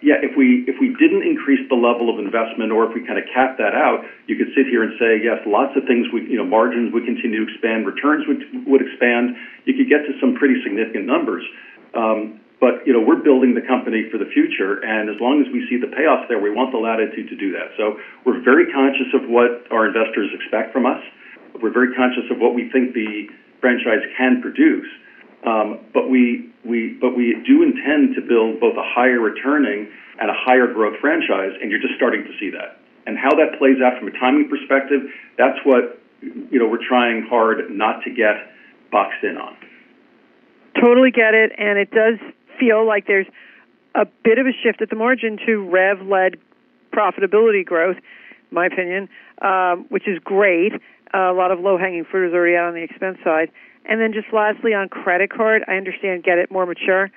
yeah, if we didn't increase the level of investment or if we kind of cap that out, you could sit here and say, "Yes, lots of things, margins would continue to expand, returns would expand." You could get to some pretty significant numbers. But we're building the company for the future. And as long as we see the payoff there, we want the latitude to do that. So we're very conscious of what our investors expect from us. We're very conscious of what we think the franchise can produce. But we do intend to build both a higher returning and a higher growth franchise, and you're just starting to see that. And how that plays out from a timing perspective, that's what we're trying hard not to get boxed in on. Totally get it. And it does feel like there's a bit of a shift at the margin to rev-led profitability growth, my opinion, which is great. A lot of low-hanging fruit is already out on the expense side. And then just lastly, on credit card, I understand it's more mature.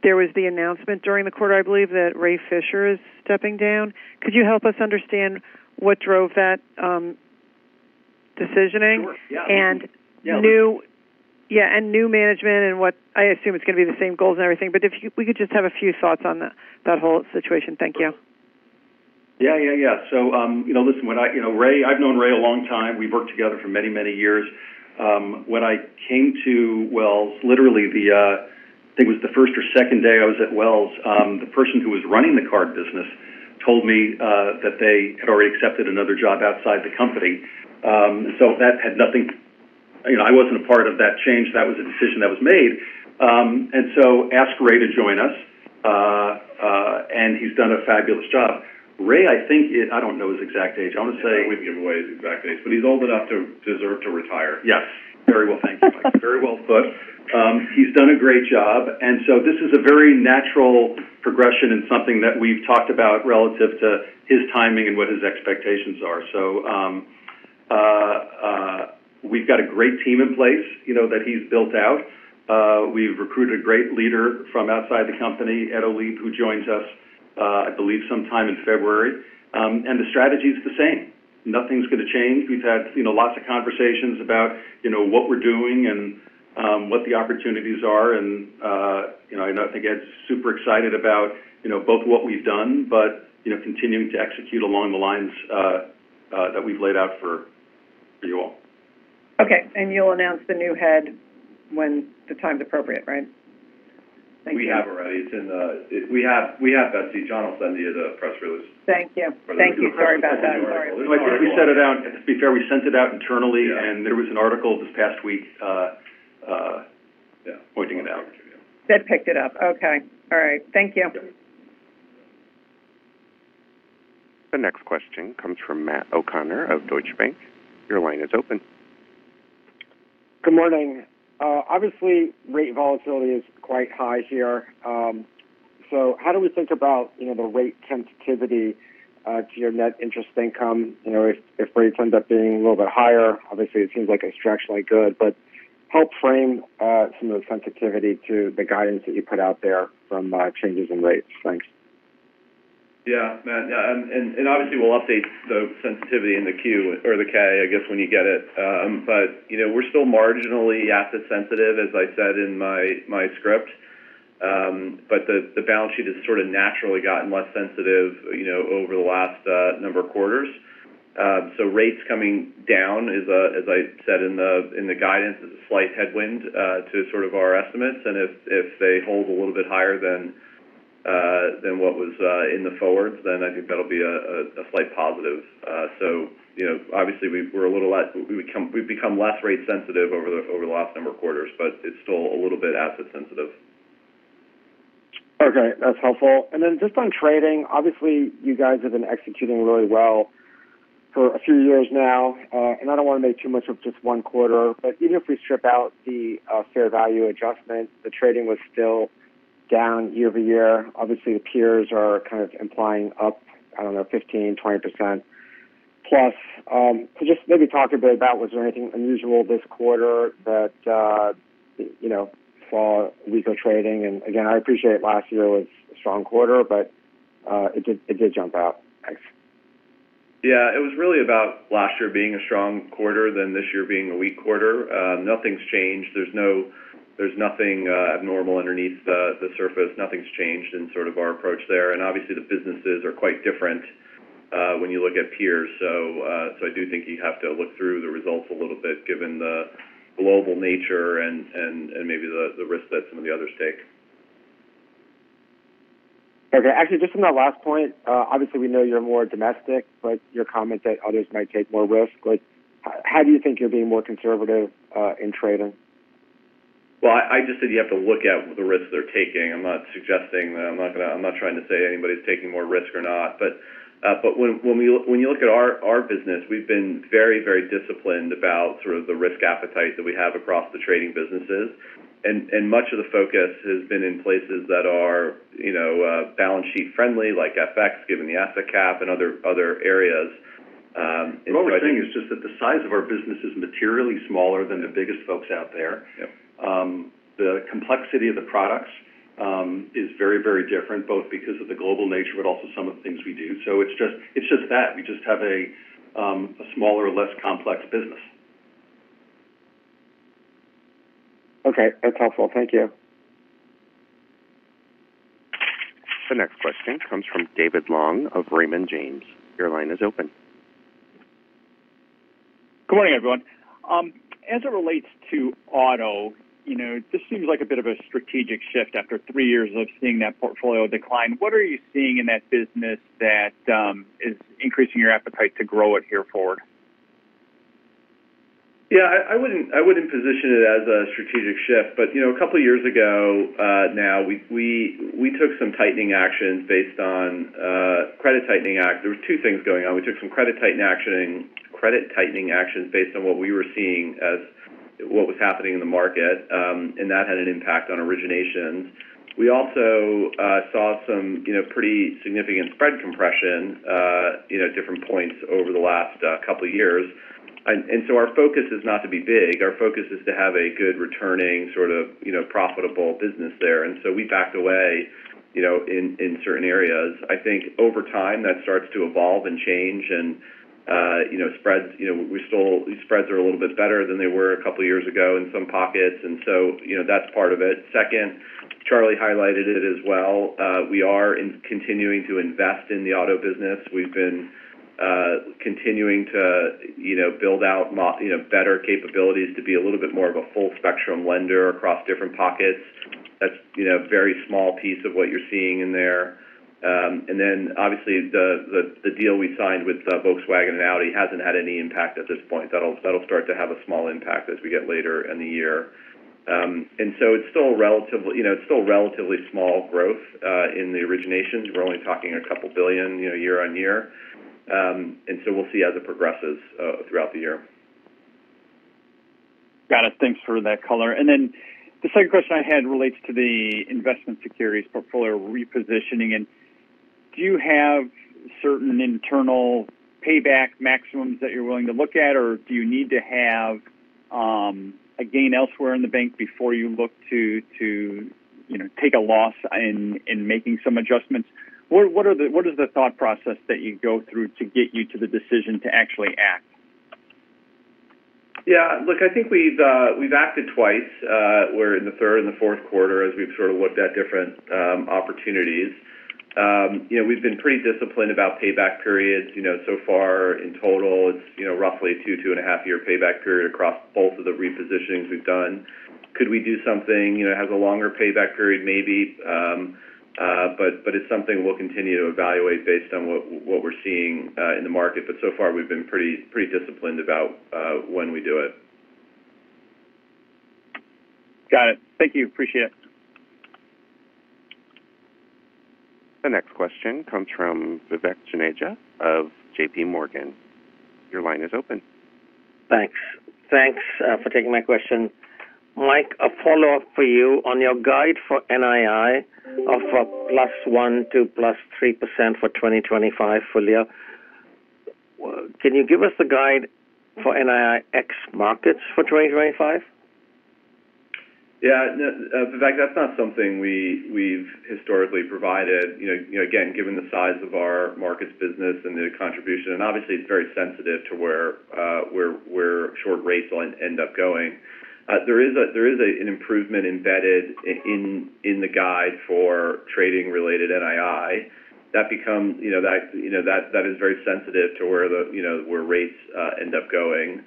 There was the announcement during the quarter, I believe, that Ray Fischer is stepping down. Could you help us understand what drove that decision? Sure. Yeah. Yeah. And new management and what I assume it's going to be the same goals and everything. But if we could just have a few thoughts on that whole situation. Thank you. Yeah, yeah, yeah. So listen, when I met Ray, I've known Ray a long time. We've worked together for many, many years. When I came to Wells, literally, I think it was the first or second day I was at Wells, the person who was running the card business told me that they had already accepted another job outside the company. And so that had nothing. I wasn't a part of that change. That was a decision that was made. And so I asked Ray to join us, and he's done a fabulous job. Ray, I think I don't know his exact age. I want to say I don't believe he gave away his exact age, but he's old enough to deserve to retire. Yes. Very well. Thank you, Mike. Very well put. He's done a great job. And so this is a very natural progression and something that we've talked about relative to his timing and what his expectations are. So we've got a great team in place that he's built out. We've recruited a great leader from outside the company, Ed Olebe, who joins us, I believe, sometime in February. And the strategy is the same. Nothing's going to change. We've had lots of conversations about what we're doing and what the opportunities are. And I think Ed's super excited about both what we've done but continuing to execute along the lines that we've laid out for you all. Okay. And you'll announce the new head when the time's appropriate, right? Thank you. We have already. It's in there. We have Betsy. John will send you the press release. Thank you. Thank you. Sorry about that. Sorry. We sent it out. To be fair, we sent it out internally, and there was an article this past week pointing it out. They picked it up. Okay. All right. Thank you. The next question comes from Matt O'Connor of Deutsche Bank. Your line is open. Good morning. Obviously, rate volatility is quite high here. So how do we think about the rate sensitivity to your net interest income? If rates end up being a little bit higher, obviously, it seems like a stretch, like good, but help frame some of the sensitivity to the guidance that you put out there from changes in rates. Thanks. Yeah, Matt. Yeah. And obviously, we'll update the sensitivity in the Q or the K, I guess, when you get it. But we're still marginally asset sensitive, as I said in my script. But the balance sheet has sort of naturally gotten less sensitive over the last number of quarters. So rates coming down, as I said in the guidance, is a slight headwind to sort of our estimates. And if they hold a little bit higher than what was in the forwards, then I think that'll be a slight positive. So obviously, we've become less rate sensitive over the last number of quarters, but it's still a little bit asset sensitive. Okay. That's helpful. And then just on trading, obviously, you guys have been executing really well for a few years now. And I don't want to make too much of just one quarter. But even if we strip out the fair value adjustment, the trading was still down year-over-year. Obviously, the peers are kind of implying up, I don't know, 15%-20% plus. So just maybe talk a bit about was there anything unusual this quarter that saw weaker trading? And again, I appreciate last year was a strong quarter, but it did jump out. Thanks. Yeah. It was really about last year being a strong quarter than this year being a weak quarter. Nothing's changed. There's nothing abnormal underneath the surface. Nothing's changed in sort of our approach there. And obviously, the businesses are quite different when you look at peers. So I do think you have to look through the results a little bit given the global nature and maybe the risk that some of the others take. Okay. Actually, just on that last point, obviously, we know you're more domestic, but your comment that others might take more risk, how do you think you're being more conservative in trading? I just said you have to look at the risks they're taking. I'm not suggesting that I'm not trying to say anybody's taking more risk or not. When you look at our business, we've been very, very disciplined about sort of the risk appetite that we have across the trading businesses. Much of the focus has been in places that are balance sheet friendly, like FX, given the asset cap and other areas. The thing is just that the size of our business is materially smaller than the biggest folks out there. The complexity of the products is very, very different, both because of the global nature, but also some of the things we do. It's just that. We just have a smaller, less complex business. Okay. That's helpful. Thank you. The next question comes from David Long of Raymond James. Your line is open. Good morning, everyone. As it relates to auto, this seems like a bit of a strategic shift after three years of seeing that portfolio decline. What are you seeing in that business that is increasing your appetite to grow it here forward? Yeah. I wouldn't position it as a strategic shift, but a couple of years ago now, we took some tightening actions based on credit tightening action. There were two things going on. We took some credit tightening actions based on what we were seeing as what was happening in the market, and that had an impact on originations. We also saw some pretty significant spread compression at different points over the last couple of years. So our focus is not to be big. Our focus is to have a good returning sort of profitable business there. So we backed away in certain areas. I think over time, that starts to evolve and change and spreads. We still are a little bit better than they were a couple of years ago in some pockets, and so that's part of it. Second, Charlie highlighted it as well. We are continuing to invest in the auto business. We've been continuing to build out better capabilities to be a little bit more of a full-spectrum lender across different pockets. That's a very small piece of what you're seeing in there, and then, obviously, the deal we signed with Volkswagen and Audi hasn't had any impact at this point. That'll start to have a small impact as we get later in the year, and so it's still relatively small growth in the originations. We're only talking $2 billion year on year, and so we'll see as it progresses throughout the year. Got it. Thanks for that, Color. And then the second question I had relates to the investment securities portfolio repositioning. And do you have certain internal payback maximums that you're willing to look at, or do you need to have a gain elsewhere in the bank before you look to take a loss in making some adjustments? What is the thought process that you go through to get you to the decision to actually act? Yeah. Look, I think we've acted twice. We're in the third and the fourth quarter as we've sort of looked at different opportunities. We've been pretty disciplined about payback periods. So far, in total, it's roughly a two- to two-and-a-half-year payback period across both of the repositionings we've done. Could we do something? It has a longer payback period, maybe. But it's something we'll continue to evaluate based on what we're seeing in the market. But so far, we've been pretty disciplined about when we do it. Got it. Thank you. Appreciate it. The next question comes from Vivek Juneja of JPMorgan. Your line is open. Thanks. Thanks for taking my question. Mike, a follow-up for you on your guide for NII of plus one to plus three% for 2025 overall. Can you give us the guide for NII ex-markets for 2025? Yeah. In fact, that's not something we've historically provided. Again, given the size of our markets business and the contribution, and obviously, it's very sensitive to where short rates will end up going. There is an improvement embedded in the guide for trading-related NII. That is very sensitive to where rates end up going.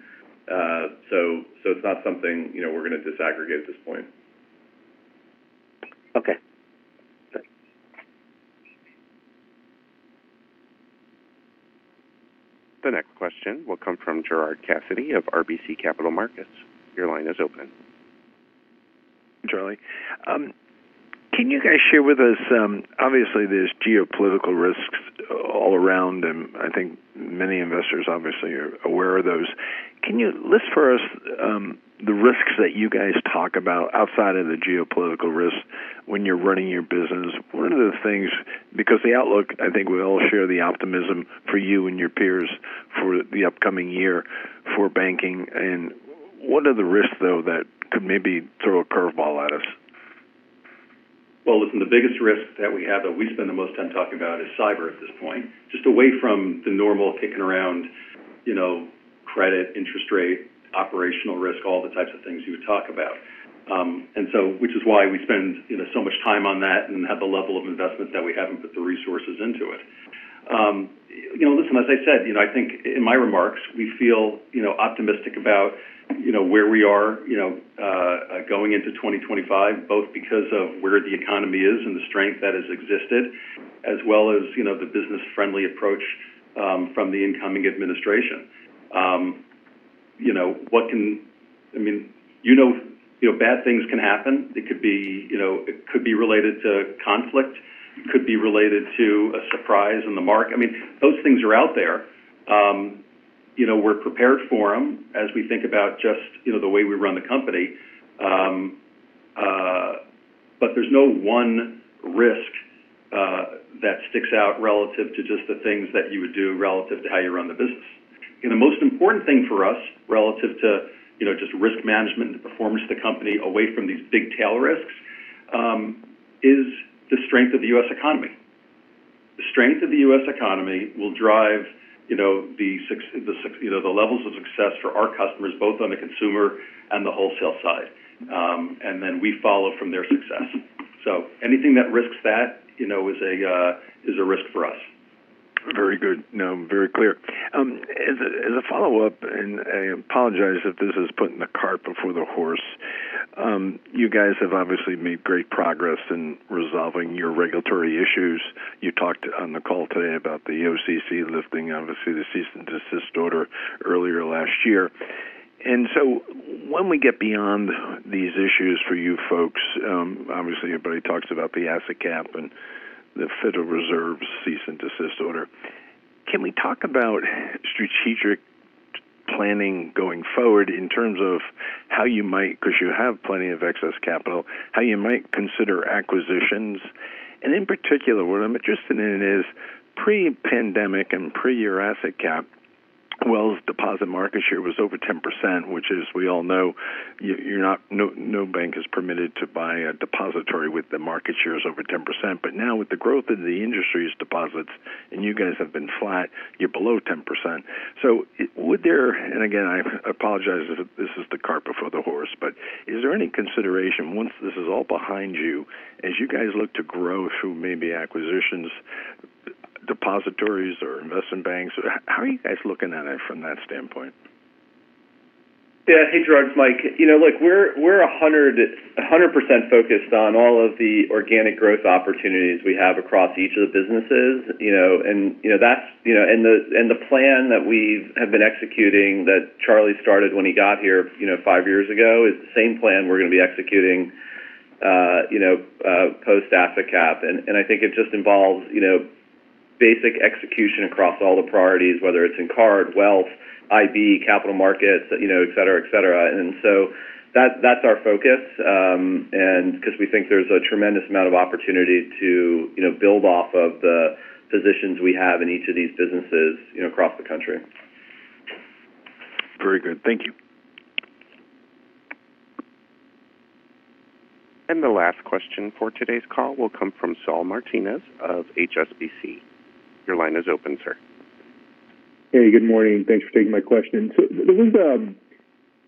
So it's not something we're going to disaggregate at this point. Okay. The next question will come from Gerard Cassidy of RBC Capital Markets. Your line is open. Charlie, can you guys share with us? Obviously, there's geopolitical risks all around, and I think many investors obviously are aware of those. Can you list for us the risks that you guys talk about outside of the geopolitical risks when you're running your business? What are the things? Because the outlook, I think we all share the optimism for you and your peers for the upcoming year for banking. And what are the risks, though, that could maybe throw a curveball at us? Listen, the biggest risk that we have that we spend the most time talking about is cyber at this point, just away from the normal kicking around credit, interest rate, operational risk, all the types of things you would talk about, which is why we spend so much time on that and have the level of investment that we haven't put the resources into it. Listen, as I said, I think in my remarks, we feel optimistic about where we are going into 2025, both because of where the economy is and the strength that has existed, as well as the business-friendly approach from the incoming administration. I mean, you know bad things can happen. It could be related to conflict. It could be related to a surprise in the market. I mean, those things are out there. We're prepared for them as we think about just the way we run the company. But there's no one risk that sticks out relative to just the things that you would do relative to how you run the business. The most important thing for us relative to just risk management and the performance of the company away from these big tail risks is the strength of the U.S. economy. The strength of the U.S. economy will drive the levels of success for our customers, both on the consumer and the wholesale side. And then we follow from their success. So anything that risks that is a risk for us. Very good. No, very clear. As a follow-up, and I apologize if this is putting the cart before the horse, you guys have obviously made great progress in resolving your regulatory issues. You talked on the call today about the OCC lifting, obviously, the cease and desist order earlier last year. And so when we get beyond these issues for you folks, obviously, everybody talks about the asset cap and the Federal Reserve's cease and desist order. Can we talk about strategic planning going forward in terms of how you might, because you have plenty of excess capital, how you might consider acquisitions? And in particular, what I'm interested in is pre-pandemic and pre your asset cap, Wells' deposit market share was over 10%, which is, we all know, no bank is permitted to buy a depository with the market shares over 10%. But now, with the growth of the industry's deposits, and you guys have been flat, you're below 10%. So would there, and again, I apologize if this is the cart before the horse, but is there any consideration once this is all behind you, as you guys look to grow through maybe acquisitions, depositories, or investment banks? How are you guys looking at it from that standpoint? Yeah. Hey, Gerard, Mike. Look, we're 100% focused on all of the organic growth opportunities we have across each of the businesses. And that's, and the plan that we have been executing that Charlie started when he got here five years ago is the same plan we're going to be executing post-asset cap. And I think it just involves basic execution across all the priorities, whether it's in card, wealth, IB, capital markets, etc., etc. And so that's our focus because we think there's a tremendous amount of opportunity to build off of the positions we have in each of these businesses across the country. Very good. Thank you. And the last question for today's call will come from Saul Martinez of HSBC. Your line is open, sir. Hey, good morning. Thanks for taking my question. So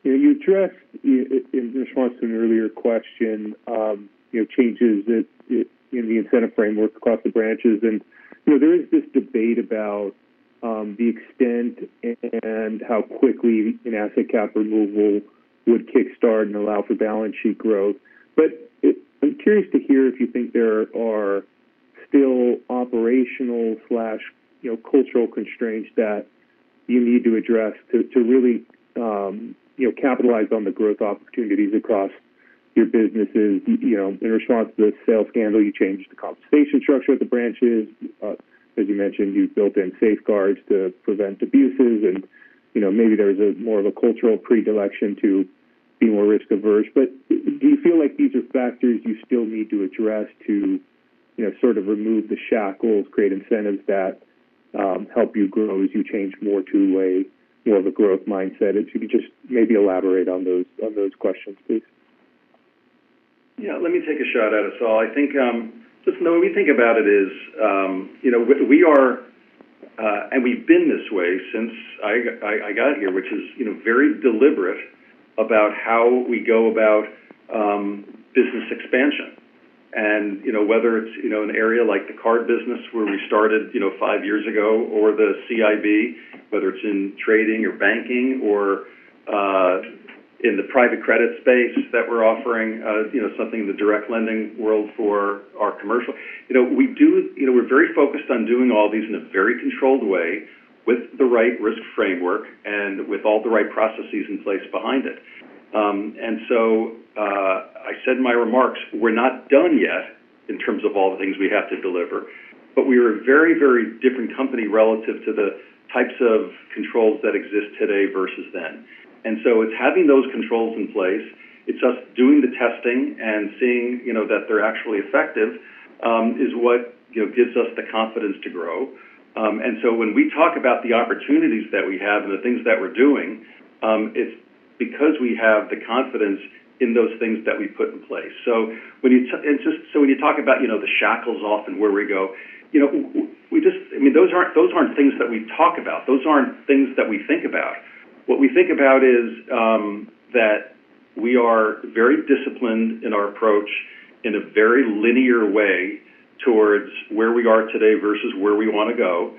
you addressed, in response to an earlier question, changes in the incentive framework across the branches. And there is this debate about the extent and how quickly an asset cap removal would kickstart and allow for balance sheet growth. But I'm curious to hear if you think there are still operational/cultural constraints that you need to address to really capitalize on the growth opportunities across your businesses in response to the sales scandal. You changed the compensation structure at the branches. As you mentioned, you built in safeguards to prevent abuses. And maybe there was more of a cultural predilection to be more risk-averse. But do you feel like these are factors you still need to address to sort of remove the shackles, create incentives that help you grow as you change more to a more of a growth mindset? If you could just maybe elaborate on those questions, please. Yeah. Let me take a shot at it, Saul. I think just when we think about it is we are, and we've been this way since I got here, which is very deliberate about how we go about business expansion. Whether it's an area like the card business where we started five years ago or the CIB, whether it's in trading or banking or in the private credit space that we're offering, something in the direct lending world for our commercial, we're very focused on doing all these in a very controlled way with the right risk framework and with all the right processes in place behind it. So I said in my remarks, we're not done yet in terms of all the things we have to deliver. We are a very, very different company relative to the types of controls that exist today versus then. It's having those controls in place. It's us doing the testing and seeing that they're actually effective is what gives us the confidence to grow. And so when we talk about the opportunities that we have and the things that we're doing, it's because we have the confidence in those things that we put in place. So when you talk about the shackles off and where we go, I mean, those aren't things that we talk about. Those aren't things that we think about. What we think about is that we are very disciplined in our approach in a very linear way towards where we are today versus where we want to go.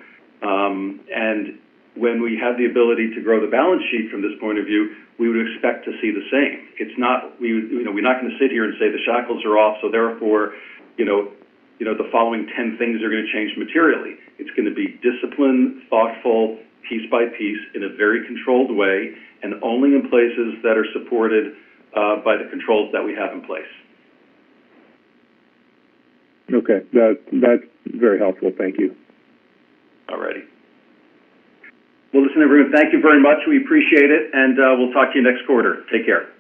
And when we have the ability to grow the balance sheet from this point of view, we would expect to see the same. It's not, we're not going to sit here and say the shackles are off, so therefore, the following 10 things are going to change materially. It's going to be disciplined, thoughtful, piece by piece in a very controlled way, and only in places that are supported by the controls that we have in place. Okay. That's very helpful. Thank you. All righty. Well, listen, everyone, thank you very much. We appreciate it. And we'll talk to you next quarter. Take care.